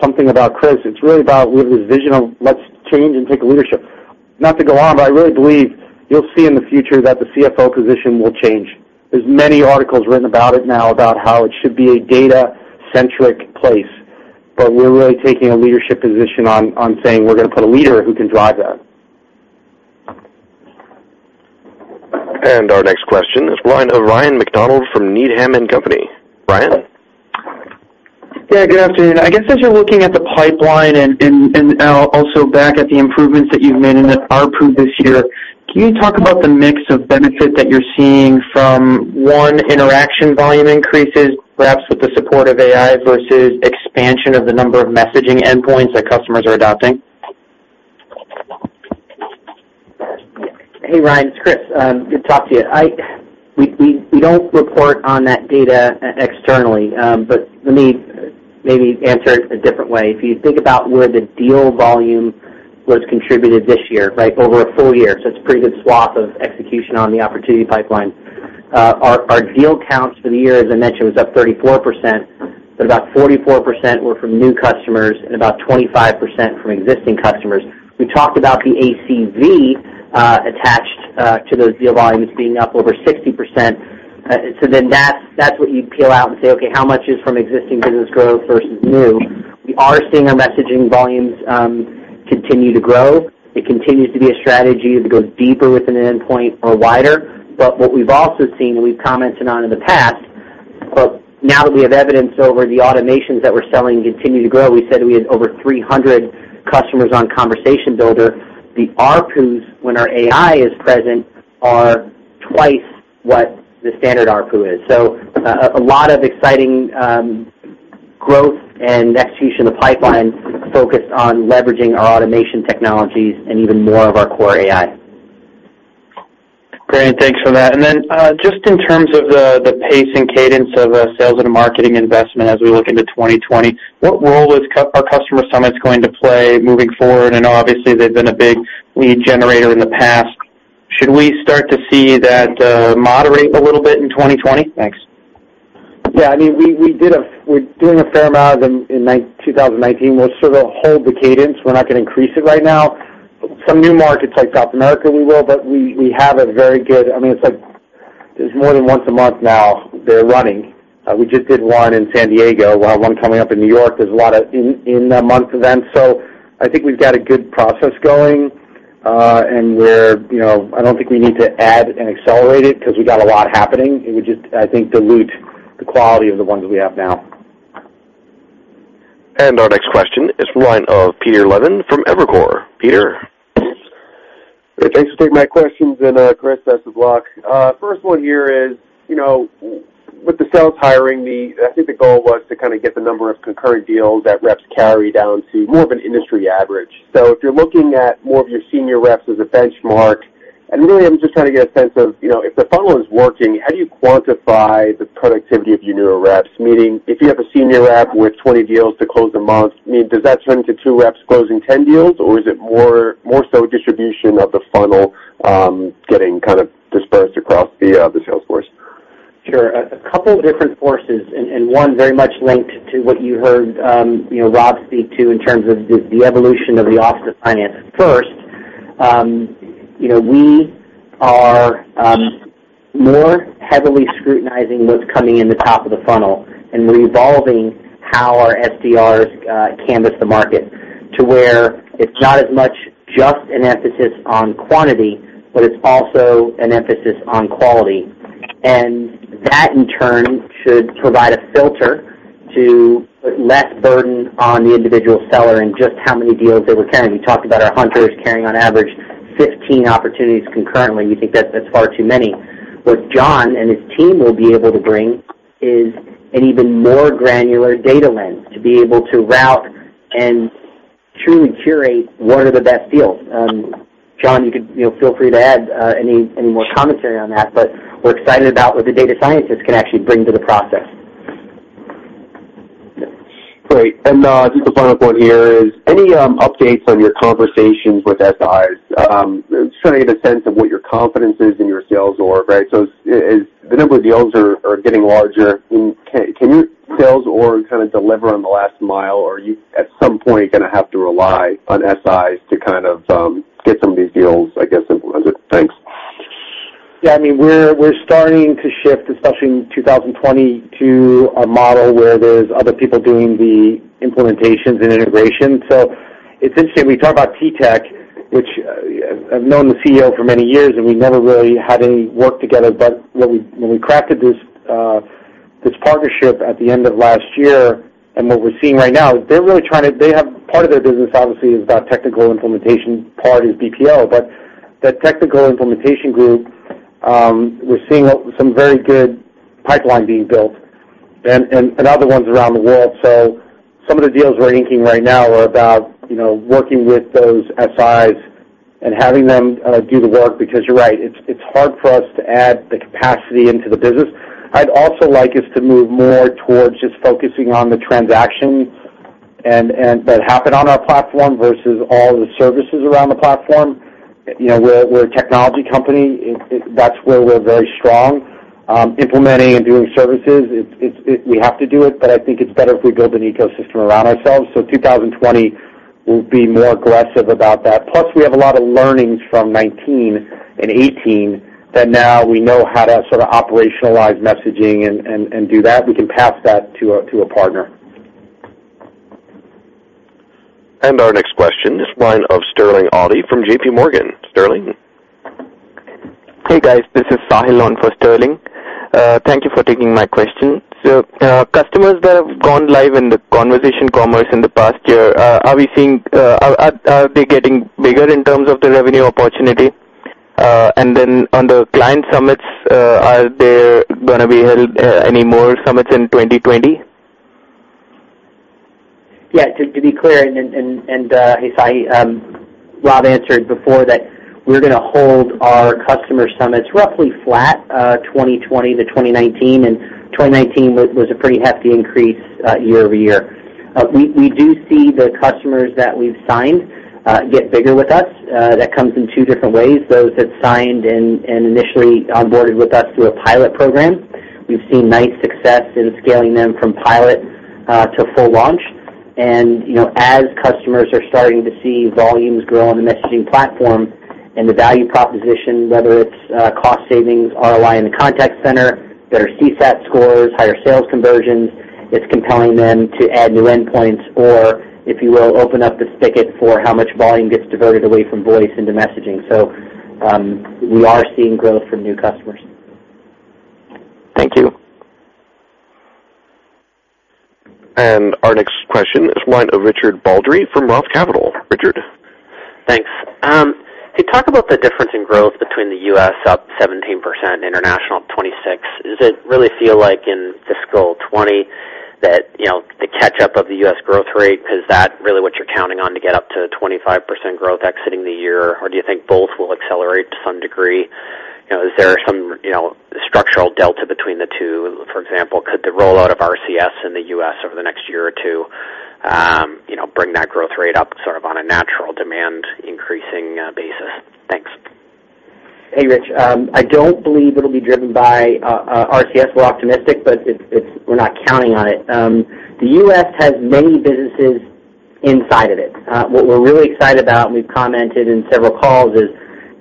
something about Chris. It's really about his vision of let's change and take leadership. I really believe you'll see in the future that the CFO position will change. There's many articles written about it now about how it should be a data-centric place, but we're really taking a leadership position on saying we're going to put a leader who can drive that. Our next question is the line of Ryan MacDonald from Needham & Company. Ryan. Yeah, good afternoon. I guess as you're looking at the pipeline and also back at the improvements that you've made in the ARPU this year, can you talk about the mix of benefit that you're seeing from, one, interaction volume increases, perhaps with the support of AI, versus expansion of the number of messaging endpoints that customers are adopting? Hey, Ryan. It's Chris. Good to talk to you. We don't report on that data externally. Let me maybe answer it a different way. If you think about where the deal volume was contributed this year, over a full year, it's a pretty good swath of execution on the opportunity pipeline. Our deal counts for the year, as I mentioned, was up 34%. About 44% were from new customers and about 25% from existing customers. We talked about the ACV attached to those deal volumes being up over 60%. That's what you'd peel out and say, "Okay, how much is from existing business growth versus new?" We are seeing our messaging volumes continue to grow. It continues to be a strategy as we go deeper within an endpoint or wider. What we've also seen, and we've commented on in the past, but now that we have evidence over the automations that we're selling continue to grow, we said we had over 300 customers on Conversation Builder. The ARPUs, when our AI is present, are twice what the standard ARPU is. A lot of exciting growth and execution of the pipeline focused on leveraging our automation technologies and even more of our core AI. Great. Thanks for that. Just in terms of the pace and cadence of sales and marketing investment as we look into 2020, what role is our customer summits going to play moving forward? I know obviously they've been a big lead generator in the past. Should we start to see that moderate a little bit in 2020? Thanks. We're doing a fair amount of them in 2019. We'll sort of hold the cadence. We're not going to increase it right now. Some new markets like South America we will, but it's like more than once a month now they're running. We just did one in San Diego. We'll have one coming up in New York. There's a lot of in-the-month events. I think we've got a good process going. I don't think we need to add and accelerate it because we've got a lot happening. It would just, I think, dilute the quality of the ones we have now. Our next question is the line of Peter Levine from Evercore. Peter. Thanks for taking my questions. Chris, best of luck. First one here is, with the sales hiring need, I think the goal was to kind of get the number of concurrent deals that reps carry down to more of an industry average. If you're looking at more of your senior reps as a benchmark, and really I'm just trying to get a sense of, if the funnel is working, how do you quantify the productivity of your newer reps? Meaning, if you have a senior rep with 20 deals to close a month, does that turn into two reps closing 10 deals, or is it more so distribution of the funnel getting kind of dispersed across the sales force? Sure. A couple of different forces, and one very much linked to what you heard Rob speak to in terms of the evolution of the Office of Finance. First, we are more heavily scrutinizing what's coming in the top of the funnel and revolving how our SDRs canvas the market to where it's not as much just an emphasis on quantity, but it's also an emphasis on quality. That in turn should provide a filter to put less burden on the individual seller and just how many deals they were carrying. We talked about our hunters carrying on average 15 opportunities concurrently. We think that's far too many. What John and his team will be able to bring is an even more granular data lens to be able to route and truly curate what are the best deals. John, you could feel free to add any more commentary on that. We're excited about what the data scientists can actually bring to the process. Great. Just a follow-up point here is, any updates on your conversations with SIs? I'm just trying to get a sense of what your confidence is in your sales org, right? As the number of deals are getting larger, can your sales org kind of deliver on the last mile? Are you, at some point, going to have to rely on SIs to kind of get some of these deals, I guess, implemented? Thanks. Yeah, we're starting to shift, especially in 2020, to a model where there's other people doing the implementations and integration. It's interesting, we talk about TTEC, which I've known the CEO for many years, and we never really had any work together. When we crafted this partnership at the end of last year and what we're seeing right now, part of their business obviously is about technical implementation, part is BPO. That technical implementation group, we're seeing some very good pipeline being built and other ones around the world. Some of the deals we're inking right now are about working with those SIs and having them do the work because you're right. It's hard for us to add the capacity into the business. I'd also like us to move more towards just focusing on the transactions that happen on our platform versus all the services around the platform. We're a technology company. That's where we're very strong. Implementing and doing services, we have to do it, but I think it's better if we build an ecosystem around ourselves. 2020, we'll be more aggressive about that. We have a lot of learnings from 2019 and 2018 that now we know how to sort of operationalize messaging and do that. We can pass that to a partner. Our next question is line of Sterling Auty from JP Morgan. Sterling? Hey, guys, this is Sahil on for Sterling. Thank you for taking my question. Customers that have gone live in the conversation commerce in the past year, are they getting bigger in terms of the revenue opportunity? On the client summits, are there going to be any more summits in 2020? Yeah, to be clear, hey, Sahil, Rob answered before that we're going to hold our customer summits roughly flat 2020 to 2019, and 2019 was a pretty hefty increase year-over-year. We do see the customers that we've signed get bigger with us. That comes in two different ways. Those that signed and initially onboarded with us through a pilot program, we've seen nice success in scaling them from pilot to full launch. As customers are starting to see volumes grow on the messaging platform and the value proposition, whether it's cost savings, ROI in the contact center, better CSAT scores, higher sales conversions, it's compelling them to add new endpoints or, if you will, open up the spigot for how much volume gets diverted away from voice into messaging. We are seeing growth from new customers. Thank you. Our next question is line of Richard Baldry from Roth Capital. Richard? Thanks. Could you talk about the difference in growth between the U.S. up 17%, international 26%? Does it really feel like in fiscal 2020 that the catch up of the U.S. growth rate, is that really what you're counting on to get up to 25% growth exiting the year? Or do you think both will accelerate to some degree? Is there some structural delta between the two? For example, could the rollout of RCS in the U.S. over the next year or two bring that growth rate up sort of on a natural demand increasing basis? Thanks. Hey, Rich. I don't believe it'll be driven by RCS. We're optimistic, but we're not counting on it. The U.S. has many businesses inside of it. What we're really excited about, and we've commented in several calls, is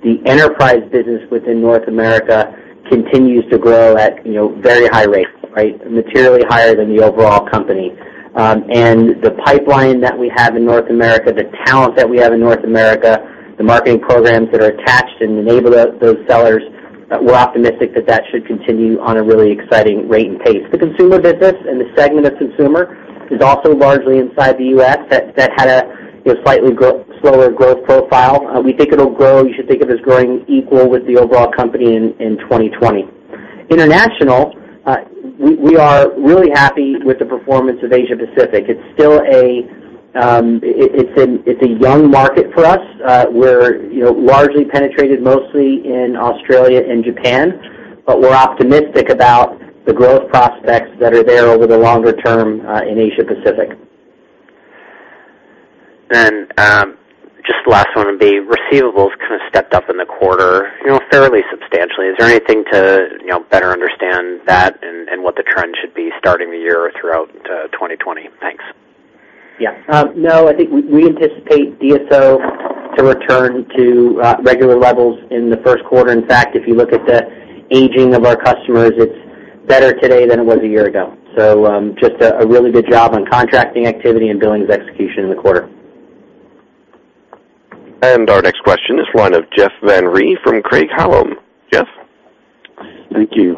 the enterprise business within North America continues to grow at very high rates, right? Materially higher than the overall company. The pipeline that we have in North America, the talent that we have in North America, the marketing programs that are attached and enable those sellers, we're optimistic that should continue on a really exciting rate and pace. The consumer business and the segment of consumer is also largely inside the U.S. That had a slightly slower growth profile. We think it'll grow. You should think of it as growing equal with the overall company in 2020. International, we are really happy with the performance of Asia Pacific. It's a young market for us. We're largely penetrated mostly in Australia and Japan, but we're optimistic about the growth prospects that are there over the longer term in Asia Pacific. Just the last one would be receivables kind of stepped up in the quarter fairly substantially. Is there anything to better understand that and what the trend should be starting the year throughout 2020? Thanks. Yeah. No, I think we anticipate DSO to return to regular levels in the first quarter. In fact, if you look at the aging of our customers, it's better today than it was a year ago. Just a really good job on contracting activity and billings execution in the quarter. Our next question is the line of Jeff Van Rhee from Craig-Hallum. Jeff? Thank you.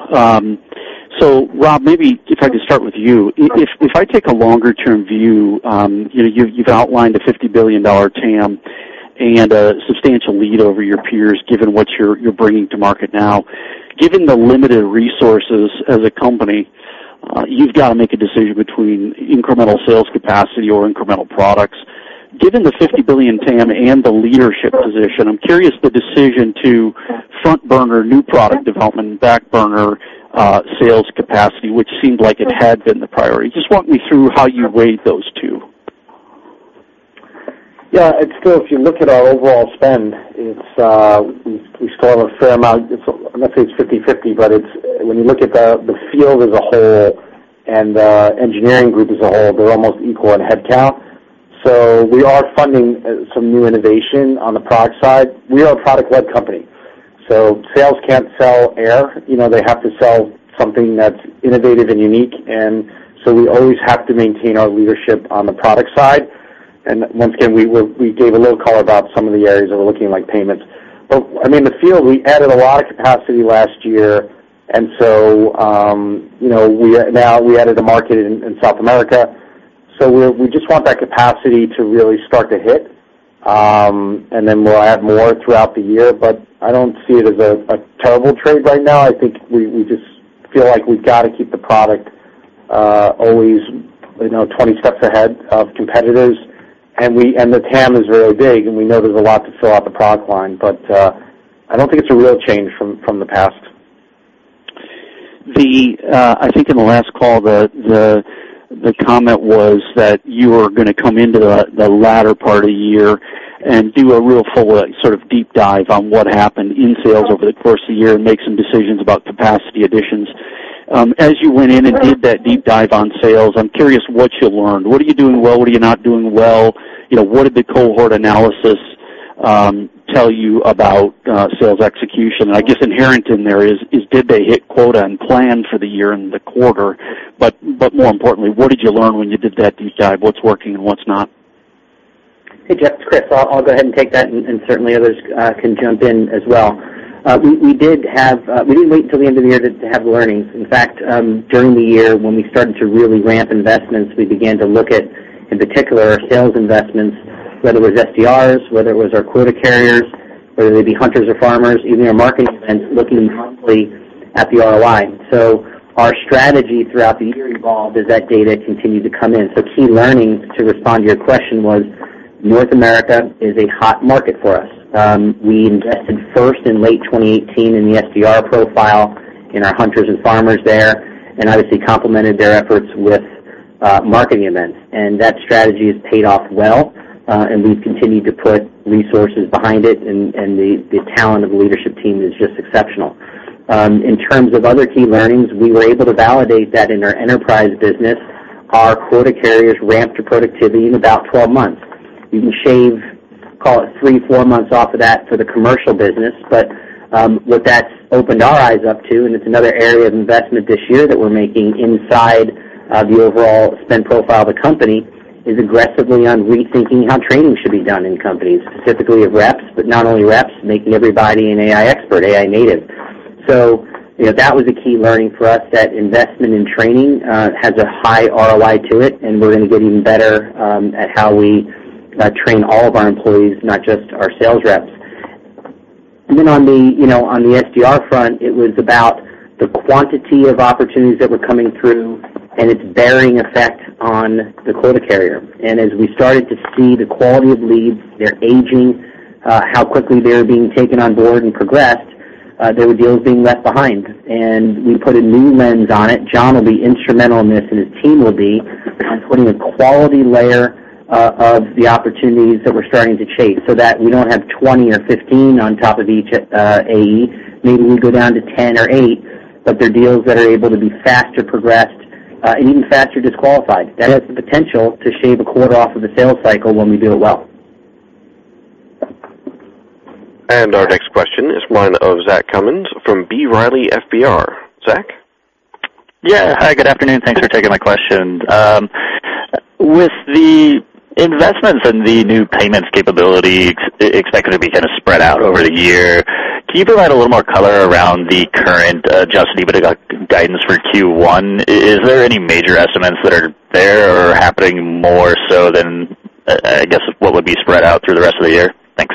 Rob, maybe if I could start with you. If I take a longer-term view, you've outlined a $50 billion TAM and a substantial lead over your peers given what you're bringing to market now. Given the limited resources as a company, you've got to make a decision between incremental sales capacity or incremental products. Given the $50 billion TAM and the leadership position, I'm curious the decision to front burner new product development and back burner sales capacity, which seemed like it had been the priority. Just walk me through how you weighed those two. Yeah. Still, if you look at our overall spend, we still have a fair amount. I'm not going to say it's 50/50, but when you look at the field as a whole and the engineering group as a whole, they're almost equal in headcount. We are funding some new innovation on the product side. We are a product-led company. Sales can't sell air. They have to sell something that's innovative and unique, we always have to maintain our leadership on the product side. Once again, we gave a little color about some of the areas that we're looking like payments. In the field, we added a lot of capacity last year, now we added a market in South America. We just want that capacity to really start to hit, then we'll add more throughout the year. I don't see it as a terrible trade right now. I think we just feel like we've got to keep the product always 20 steps ahead of competitors. The TAM is really big, and we know there's a lot to fill out the product line, but I don't think it's a real change from the past. I think in the last call, the comment was that you were going to come into the latter part of the year and do a real full sort of deep dive on what happened in sales over the course of the year and make some decisions about capacity additions. As you went in and did that deep dive on sales, I'm curious what you learned. What are you doing well? What are you not doing well? What did the cohort analysis tell you about sales execution? I guess inherent in there is did they hit quota and plan for the year and the quarter? More importantly, what did you learn when you did that deep dive? What's working and what's not? Hey, Jeff, it's Chris. I'll go ahead and take that, and certainly others can jump in as well. We didn't wait until the end of the year to have learnings. In fact, during the year, when we started to really ramp investments, we began to look at, in particular, our sales investments, whether it was SDRs, whether it was our quota carriers, whether they be hunters or farmers, even our marketing events, looking monthly at the ROI. Our strategy throughout the year evolved as that data continued to come in. Key learnings, to respond to your question, was North America is a hot market for us. We invested first in late 2018 in the SDR profile, in our hunters and farmers there, and obviously complemented their efforts with marketing events. That strategy has paid off well, and we've continued to put resources behind it, and the talent of the leadership team is just exceptional. In terms of other key learnings, we were able to validate that in our enterprise business, our quota carriers ramped to productivity in about 12 months. You can shave, call it three, four months off of that for the commercial business. What that's opened our eyes up to, and it's another area of investment this year that we're making inside the overall spend profile of the company, is aggressively on rethinking how training should be done in companies, specifically of reps, but not only reps, making everybody an AI expert, AI native. That was a key learning for us, that investment in training has a high ROI to it, and we're going to get even better at how we train all of our employees, not just our sales reps. Then on the SDR front, it was about the quantity of opportunities that were coming through and its bearing effect on the quota carrier. As we started to see the quality of leads, their aging, how quickly they were being taken on board and progressed, there were deals being left behind, and we put a new lens on it. John will be instrumental in this, and his team will be, putting a quality layer of the opportunities that we're starting to chase so that we don't have 20 or 15 on top of each AE. Maybe we go down to 10 or eight, they're deals that are able to be faster progressed and even faster disqualified. That has the potential to shave a quarter off of the sales cycle when we do it well. Our next question is one of Zach Cummins from B. Riley FBR. Zach? Yeah. Hi, good afternoon. Thanks for taking my question. With the investments and the new payments capability expected to be kind of spread out over the year, can you provide a little more color around the current adjusted guidance for Q1? Is there any major estimates that are there or happening more so than, I guess, what would be spread out through the rest of the year? Thanks.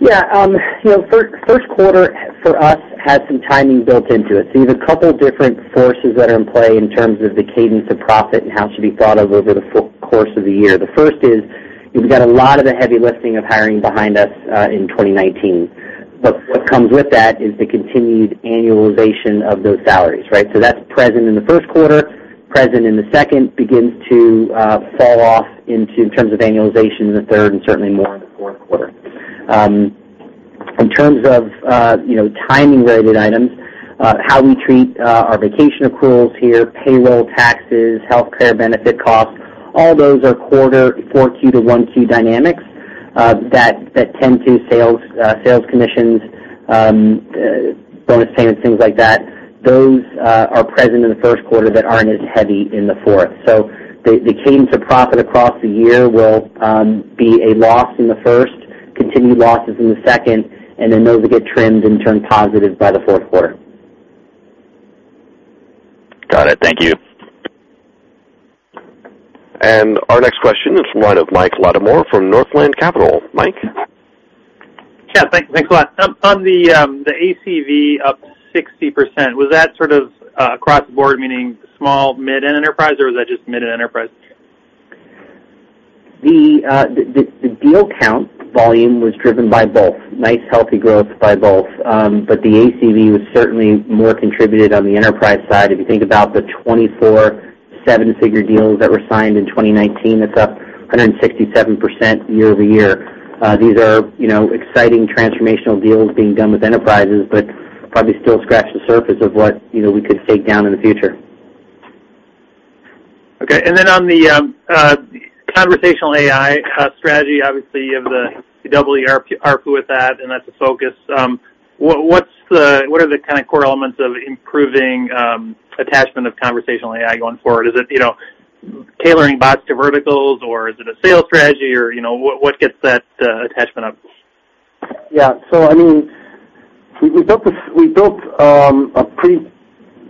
Yeah. First quarter for us has some timing built into it. You have a couple of different forces that are in play in terms of the cadence of profit and how it should be thought of over the course of the year. The first is we've got a lot of the heavy lifting of hiring behind us in 2019. What comes with that is the continued annualization of those salaries, right? That's present in the first quarter, present in the second, begins to fall off in terms of annualization in the third and certainly more in the fourth quarter. In terms of timing-related items, how we treat our vacation accruals here, payroll taxes, healthcare benefit costs, all those are 4Q to 1Q dynamics that tend to sales commissions, bonus payments, things like that. Those are present in the first quarter that aren't as heavy in the fourth. The cadence of profit across the year will be a loss in the first. Continued losses in the second, and then those will get trimmed and turn positive by the fourth quarter. Got it. Thank you. Our next question is from line of Mike Latimore from Northland Capital. Mike? Thanks a lot. On the ACV up 60%, was that sort of across the board, meaning small, mid, and enterprise, or was that just mid and enterprise? The deal count volume was driven by both. Nice healthy growth by both. The ACV was certainly more contributed on the enterprise side. If you think about the 24 seven-figure deals that were signed in 2019, that's up 167% year-over-year. These are exciting transformational deals being done with enterprises, but probably still scratch the surface of what we could take down in the future. Okay. On the conversational AI strategy, obviously you have the double ARPU with that, and that's a focus. What are the kind of core elements of improving attachment of conversational AI going forward? Is it tailoring bots to verticals, or is it a sales strategy? What gets that attachment up? Yeah. We built a pretty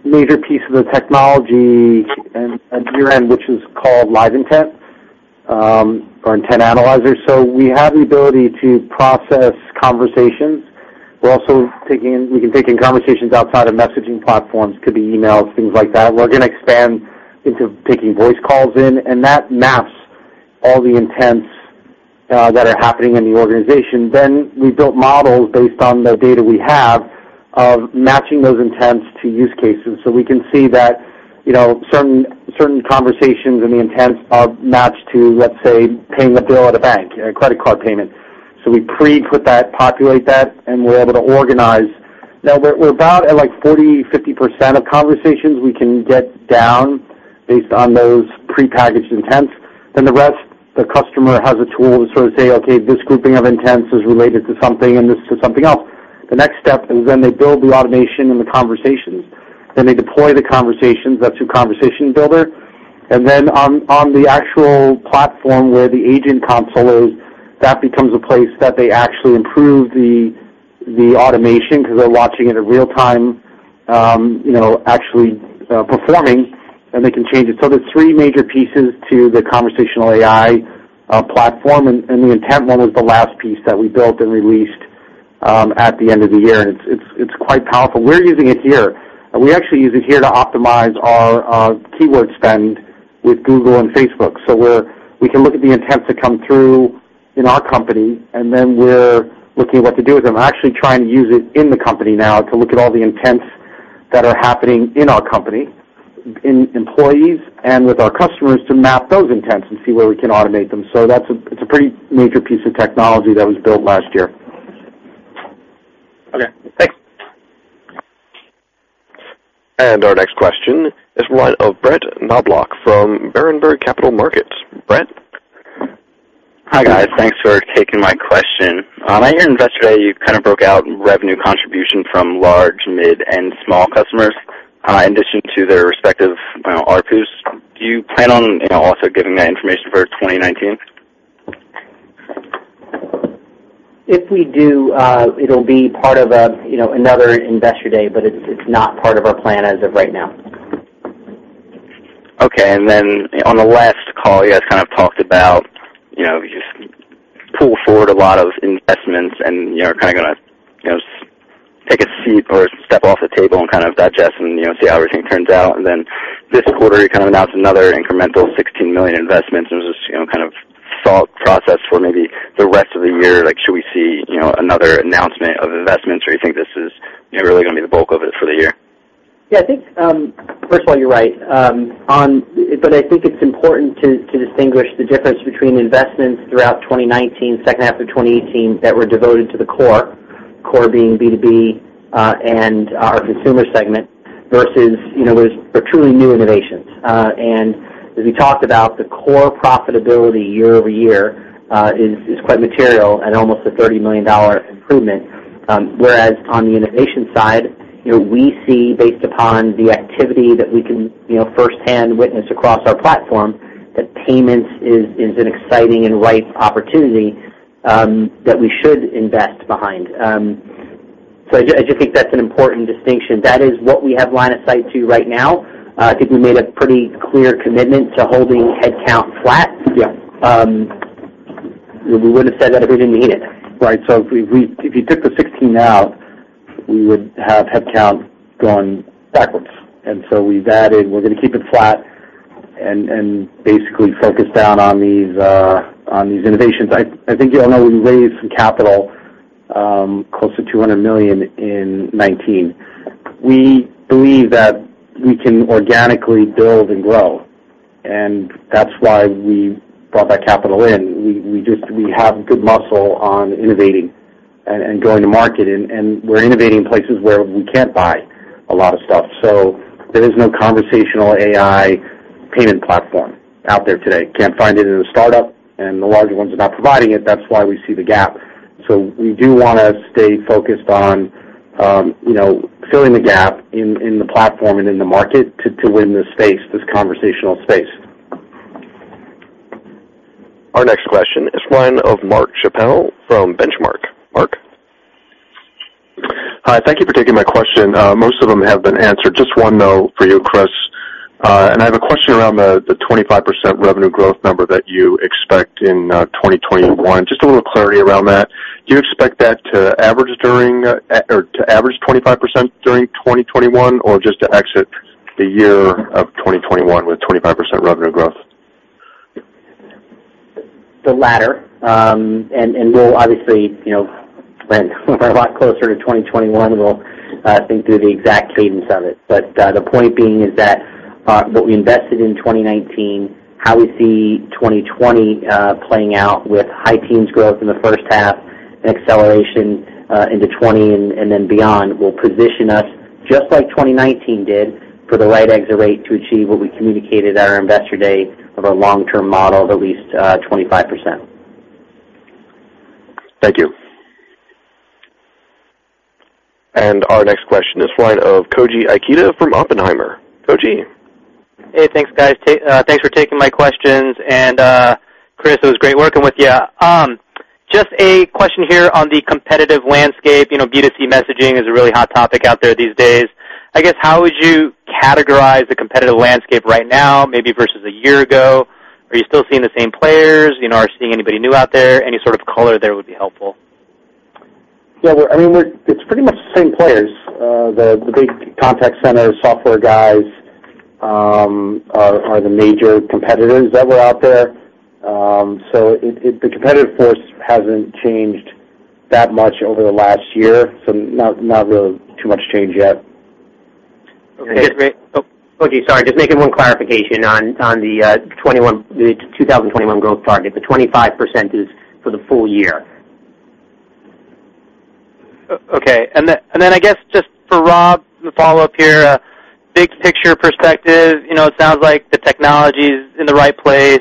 major piece of the technology at year-end, which is called LiveIntent, or Intent Analyzer. We have the ability to process conversations. We're also taking in conversations outside of messaging platforms, could be emails, things like that. We're going to expand into taking voice calls in, and that maps all the intents that are happening in the organization. We built models based on the data we have of matching those intents to use cases. We can see that certain conversations and the intents are matched to, let's say, paying a bill at a bank, a credit card payment. We pre-populate that, and we're able to organize. Now we're about at, like, 40%, 50% of conversations we can get down based on those prepackaged intents. The rest, the customer has a tool to sort of say, okay, this grouping of intents is related to something and this to something else. The next step is they build the automation and the conversations, they deploy the conversations. That's through Conversation Builder. On the actual platform where the agent console is, that becomes a place that they actually improve the automation because they're watching it in real-time actually performing, and they can change it. There's three major pieces to the conversational AI platform, and the intent one was the last piece that we built and released at the end of the year, and it's quite powerful. We're using it here. We actually use it here to optimize our keyword spend with Google and Facebook. We can look at the intents that come through in our company, and we're looking at what to do with them. I'm actually trying to use it in the company now to look at all the intents that are happening in our company, in employees and with our customers to map those intents and see where we can automate them. It's a pretty major piece of technology that was built last year. Okay, thanks. Our next question is line of Brian Knobloch from Berenberg Capital Markets. Brian? Hi, guys. Thanks for taking my question. I hear in Investor Day you kind of broke out revenue contribution from large, mid, and small customers, in addition to their respective ARPUs. Do you plan on also giving that information for 2019? If we do, it'll be part of another Investor Day, but it's not part of our plan as of right now. Okay. On the last call, you guys kind of talked about, you pull forward a lot of investments and you're kind of going to take a seat or step off the table and kind of digest and see how everything turns out. This quarter, you kind of announced another incremental $16 million investment, and it was just kind of thought process for maybe the rest of the year. Should we see another announcement of investments, or you think this is really going to be the bulk of it for the year? Yeah, I think, first of all, you're right. I think it's important to distinguish the difference between investments throughout 2019, second half of 2018, that were devoted to the core being B2B, and our consumer segment versus what is for truly new innovations. As we talked about, the core profitability year-over-year is quite material at almost a $30 million improvement. Whereas on the innovation side, we see based upon the activity that we can firsthand witness across our platform, that payments is an exciting and right opportunity, that we should invest behind. I just think that's an important distinction. That is what we have line of sight to right now. I think we made a pretty clear commitment to holding headcount flat. Yeah. We wouldn't have said that if we didn't mean it. Right. If you took the 16 out, we would have headcount going backwards, we've added, we're going to keep it flat and basically focus down on these innovations. I think you all know we raised some capital, close to $200 million in 2019. We believe that we can organically build and grow, that's why we brought that capital in. We have good muscle on innovating and going to market, we're innovating places where we can't buy a lot of stuff. There is no conversational AI payment platform out there today. Can't find it in a startup, the larger ones are not providing it. That's why we see the gap. We do want to stay focused on filling the gap in the platform and in the market to win this space, this conversational space. Our next question is line of Mark Schappel from Benchmark. Mark? Hi. Thank you for taking my question. Most of them have been answered. Just one, though, for you, Chris. I have a question around the 25% revenue growth number that you expect in 2021. Just a little clarity around that. Do you expect that to average 25% during 2021, or just to exit the year of 2021 with 25% revenue growth? The latter. When we're a lot closer to 2021, we'll think through the exact cadence of it. The point being is that what we invested in 2019, how we see 2020 playing out with high teens growth in the first half and acceleration into 2020 and then beyond, will position us, just like 2019 did, for the right exit rate to achieve what we communicated at our investor day of our long-term model of at least 25%. Thank you. Our next question is line of Koji Ikeda from Oppenheimer. Koji? Hey, thanks, guys. Thanks for taking my questions. Chris, it was great working with you. Just a question here on the competitive landscape. B2C messaging is a really hot topic out there these days. I guess, how would you categorize the competitive landscape right now, maybe versus a year ago? Are you still seeing the same players? Are you seeing anybody new out there? Any sort of color there would be helpful. Yeah. It's pretty much the same players. The big contact center software guys are the major competitors that are out there. The competitive force hasn't changed that much over the last year, so not really too much change yet. Okay. Koji, sorry, just making one clarification on the 2021 growth target. The 25% is for the full year? Okay. I guess, just for Rob, the follow-up here. Big picture perspective, it sounds like the technology's in the right place,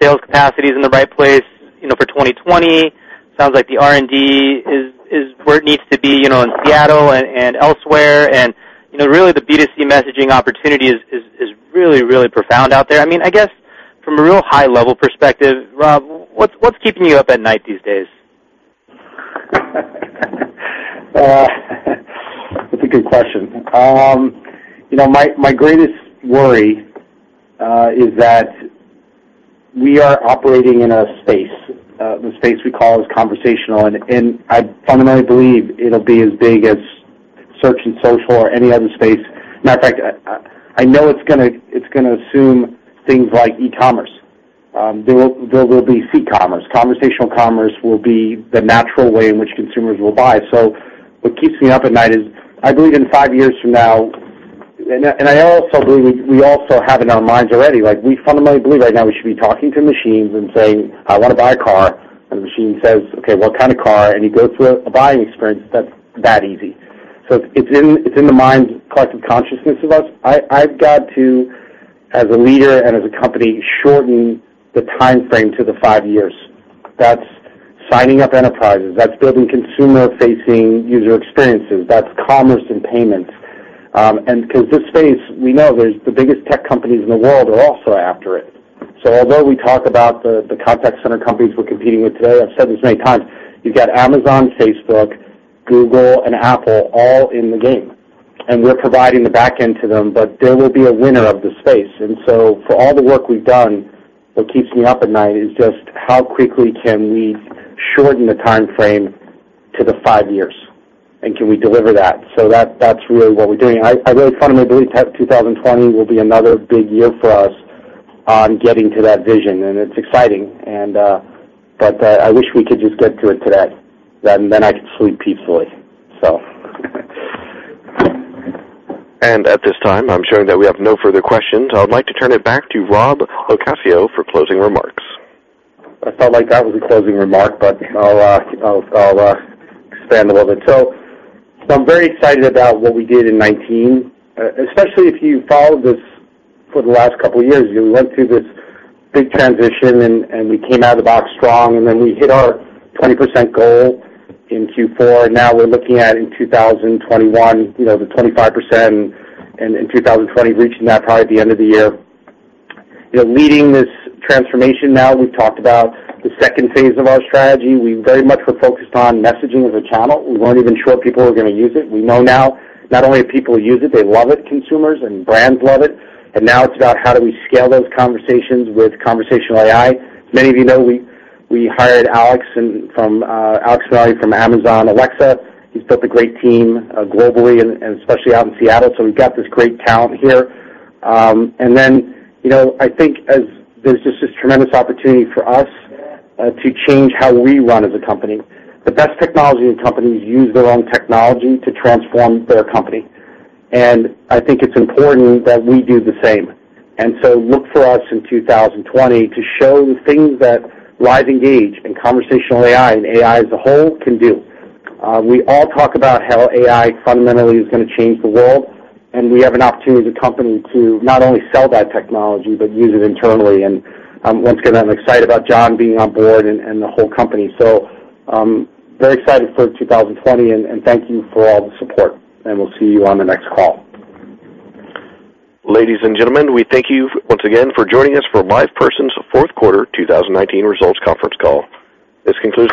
sales capacity's in the right place for 2020. Sounds like the R&D is where it needs to be in Seattle and elsewhere. Really, the B2C messaging opportunity is really, really profound out there. I guess from a real high level perspective, Rob, what's keeping you up at night these days? That's a good question. My greatest worry is that we are operating in a space, the space we call conversational. I fundamentally believe it'll be as big as search and social or any other space. Matter of fact, I know it's going to assume things like e-commerce. There will be C-commerce. Conversational commerce will be the natural way in which consumers will buy. What keeps me up at night is I believe in five years from now. I also believe we also have in our minds already, we fundamentally believe right now we should be talking to machines and saying, "I want to buy a car," the machine says, "Okay, what kind of car?" You go through a buying experience that's that easy. It's in the minds, collective consciousness of us. I've got to, as a leader and as a company, shorten the timeframe to the five years. That's signing up enterprises. That's building consumer-facing user experiences. That's commerce and payments. Because this space, we know the biggest tech companies in the world are also after it. Although we talk about the contact center companies we're competing with today, I've said this many times, you've got Amazon, Facebook, Google, and Apple all in the game. We're providing the back end to them, but there will be a winner of the space. For all the work we've done, what keeps me up at night is just how quickly can we shorten the timeframe to the five years, and can we deliver that? That's really what we're doing. I really fundamentally believe 2020 will be another big year for us on getting to that vision, and it's exciting. I wish we could just get to it today. I could sleep peacefully. At this time, I'm showing that we have no further questions. I would like to turn it back to Rob LoCascio for closing remarks. I felt like that was a closing remark. I'll expand a little bit. I'm very excited about what we did in 2019, especially if you followed this for the last couple of years. We went through this big transition, and we came out of the box strong, and then we hit our 20% goal in Q4. Now we're looking at in 2021, the 25%, and in 2020, reaching that probably at the end of the year. Leading this transformation now, we've talked about the second phase of our strategy. We very much were focused on messaging as a channel. We weren't even sure people were going to use it. We know now not only do people use it, they love it, consumers and brands love it. Now it's about how do we scale those conversations with conversational AI. Many of you know we hired Alexa from Amazon, Alexa. He's built a great team globally and especially out in Seattle, we've got this great talent here. I think there's just this tremendous opportunity for us to change how we run as a company. The best technology in companies use their own technology to transform their company. I think it's important that we do the same. Look for us in 2020 to show the things that LiveEngage and conversational AI, and AI as a whole, can do. We all talk about how AI fundamentally is going to change the world, and we have an opportunity as a company to not only sell that technology, but use it internally. Once again, I'm excited about John being on board and the whole company. Very excited for 2020, and thank you for all the support. We'll see you on the next call. Ladies and gentlemen, we thank you once again for joining us for LivePerson's fourth quarter 2019 results conference call. This concludes.